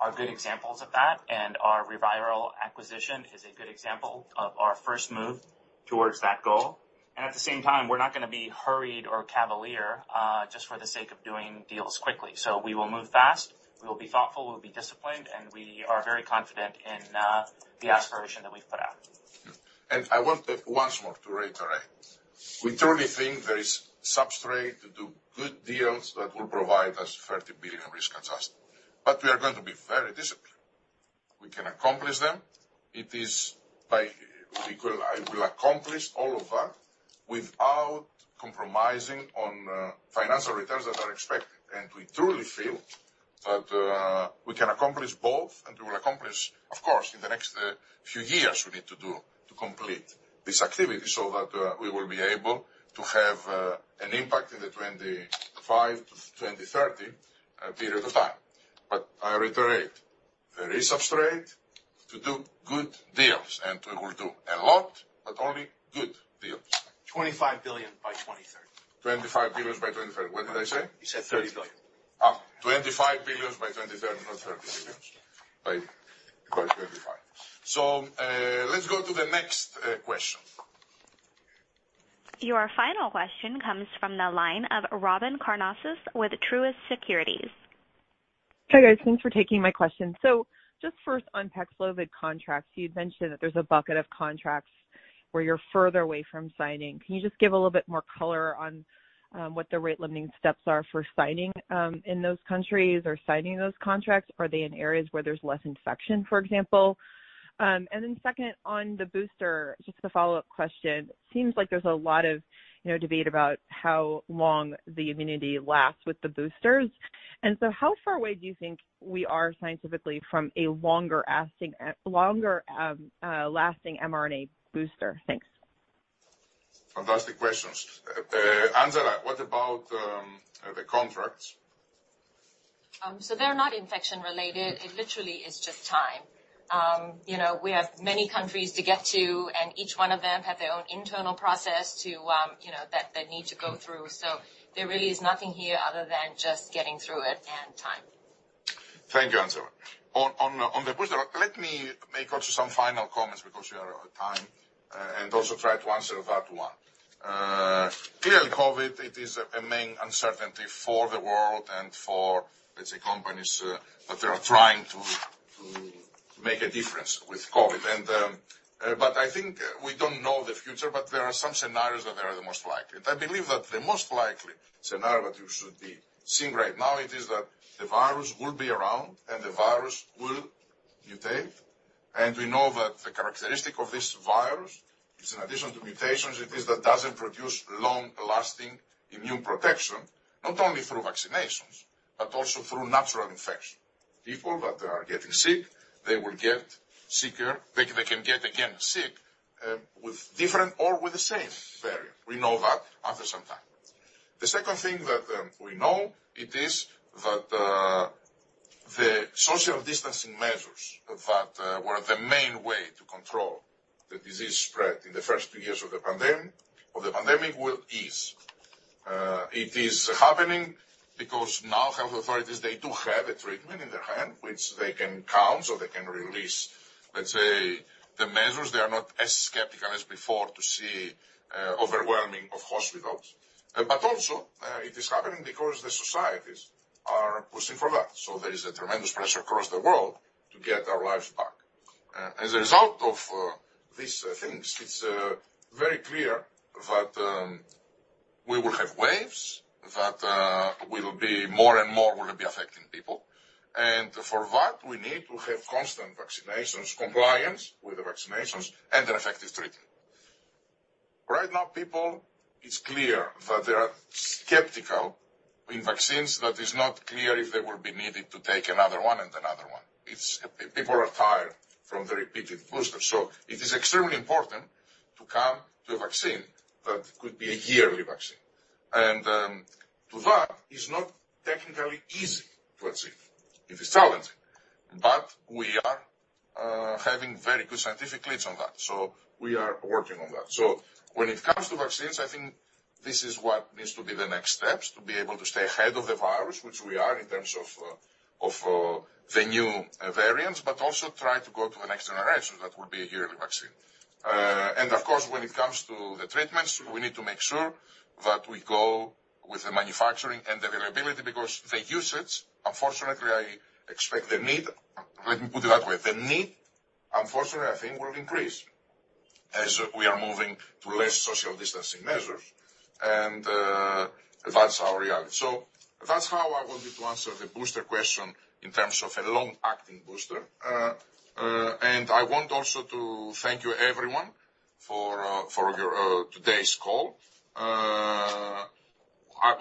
deals are good examples of that. Our ReViral acquisition is a good example of our first move towards that goal. At the same time, we're not going to be hurried or cavalier, just for the sake of doing deals quickly. We will move fast, we will be thoughtful, we'll be disciplined, and we are very confident in the aspiration that we've put out. I want to once more reiterate, we truly think there is substrate to do good deals that will provide us $30 billion risk-adjusted. We are going to be very disciplined. We can accomplish them. It is feasible. I will accomplish all of that without compromising on, financial returns that are expected. We truly feel that, we can accomplish both, and we will accomplish, of course, in the next, few years we need to do to complete this activity so that, we will be able to have, an impact in the 2025-2030 period of time. I reiterate, there is substrate to do good deals, and we will do a lot, but only good deals. $25 billion by 2030. $25 billion by 2030. What did I say? You said $30 billion. $25 billion by 2030, not $30 billion. By 2025. Let's go to the next question. Your final question comes from the line of Robyn Karnauskas with Truist Securities. Hi, guys. Thanks for taking my question. Just first on Paxlovid contracts, you'd mentioned that there's a bucket of contracts where you're further away from signing. Can you just give a little bit more color on what the rate limiting steps are for signing in those countries or signing those contracts? Are they in areas where there's less infection, for example? And then second, on the booster, just a follow-up question. Seems like there's a lot of, you know, debate about how long the immunity lasts with the boosters. How far away do you think we are scientifically from a longer lasting mRNA booster? Thanks. Fantastic questions. Angela, what about the contracts? They're not infection related. It literally is just time. You know, we have many countries to get to, and each one of them have their own internal process to, you know, that they need to go through. There really is nothing here other than just getting through it and time. Thank you, Angela. On the booster, let me make also some final comments because we are out of time, and also try to answer that one. Clearly, COVID, it is a main uncertainty for the world and for, let's say, companies that are trying to make a difference with COVID. I think we don't know the future, but there are some scenarios that are the most likely. I believe that the most likely scenario that you should be seeing right now, it is that the virus will be around, and the virus will mutate. We know that the characteristic of this virus is in addition to mutations, it is that doesn't produce long-lasting immune protection, not only through vaccinations, but also through natural infection. People that are getting sick, they will get sicker. They can get sick again with different or with the same variant. We know that after some time. The second thing that we know is that the social distancing measures that were the main way to control the disease spread in the first two years of the pandemic will ease. It is happening because now health authorities they do have a treatment in their hand which they can count on or they can release, let's say, the measures. They are not as skeptical as before to see overwhelming of hospitals. It is happening because the societies are pushing for that. There is a tremendous pressure across the world to get our lives back. As a result of these things, it's very clear that we will have waves, that we will be more and more will be affecting people. For that, we need to have constant vaccinations compliance with the vaccinations and an effective treatment. Right now, people, it's clear that they are skeptical in vaccines that is not clear if they will be needed to take another one and another one. People are tired from the repeated boosters. It is extremely important to come to a vaccine that could be a yearly vaccine. To that is not technically easy to achieve. It is challenging, but we are having very good scientific leads on that, so we are working on that. When it comes to vaccines, I think this is what needs to be the next steps to be able to stay ahead of the virus, which we are in terms of the new variants, but also try to go to the next generation. That will be a yearly vaccine. Of course, when it comes to the treatments, we need to make sure that we go with the manufacturing and the availability because the usage, unfortunately, I expect the need. Let me put it that way. The need, unfortunately, I think will increase as we are moving to less social distancing measures, and that's our reality. That's how I wanted to answer the booster question in terms of a long-acting booster. I want also to thank you everyone for your today's call.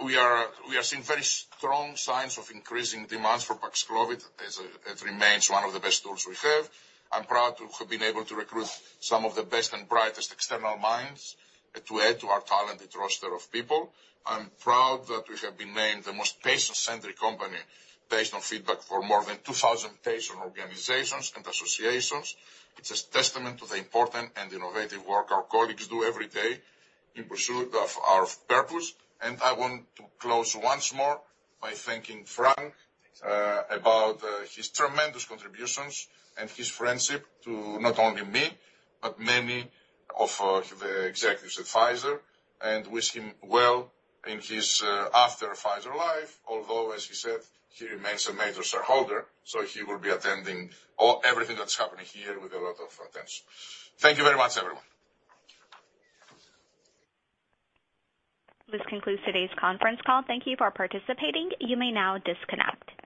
We are seeing very strong signs of increasing demands for Paxlovid as it remains one of the best tools we have. I'm proud to have been able to recruit some of the best and brightest external minds to add to our talented roster of people. I'm proud that we have been named the most patient-centric company based on feedback for more than 2,000 patient organizations and associations. It's a testament to the important and innovative work our colleagues do every day in pursuit of our purpose. I want to close once more by thanking Frank. Thanks. about his tremendous contributions and his friendship to not only me, but many of the executives at Pfizer. Wish him well in his after Pfizer life. Although, as he said, he remains a major shareholder, so he will be attending everything that's happening here with a lot of attention. Thank you very much, everyone. This concludes today's conference call. Thank you for participating. You may now disconnect.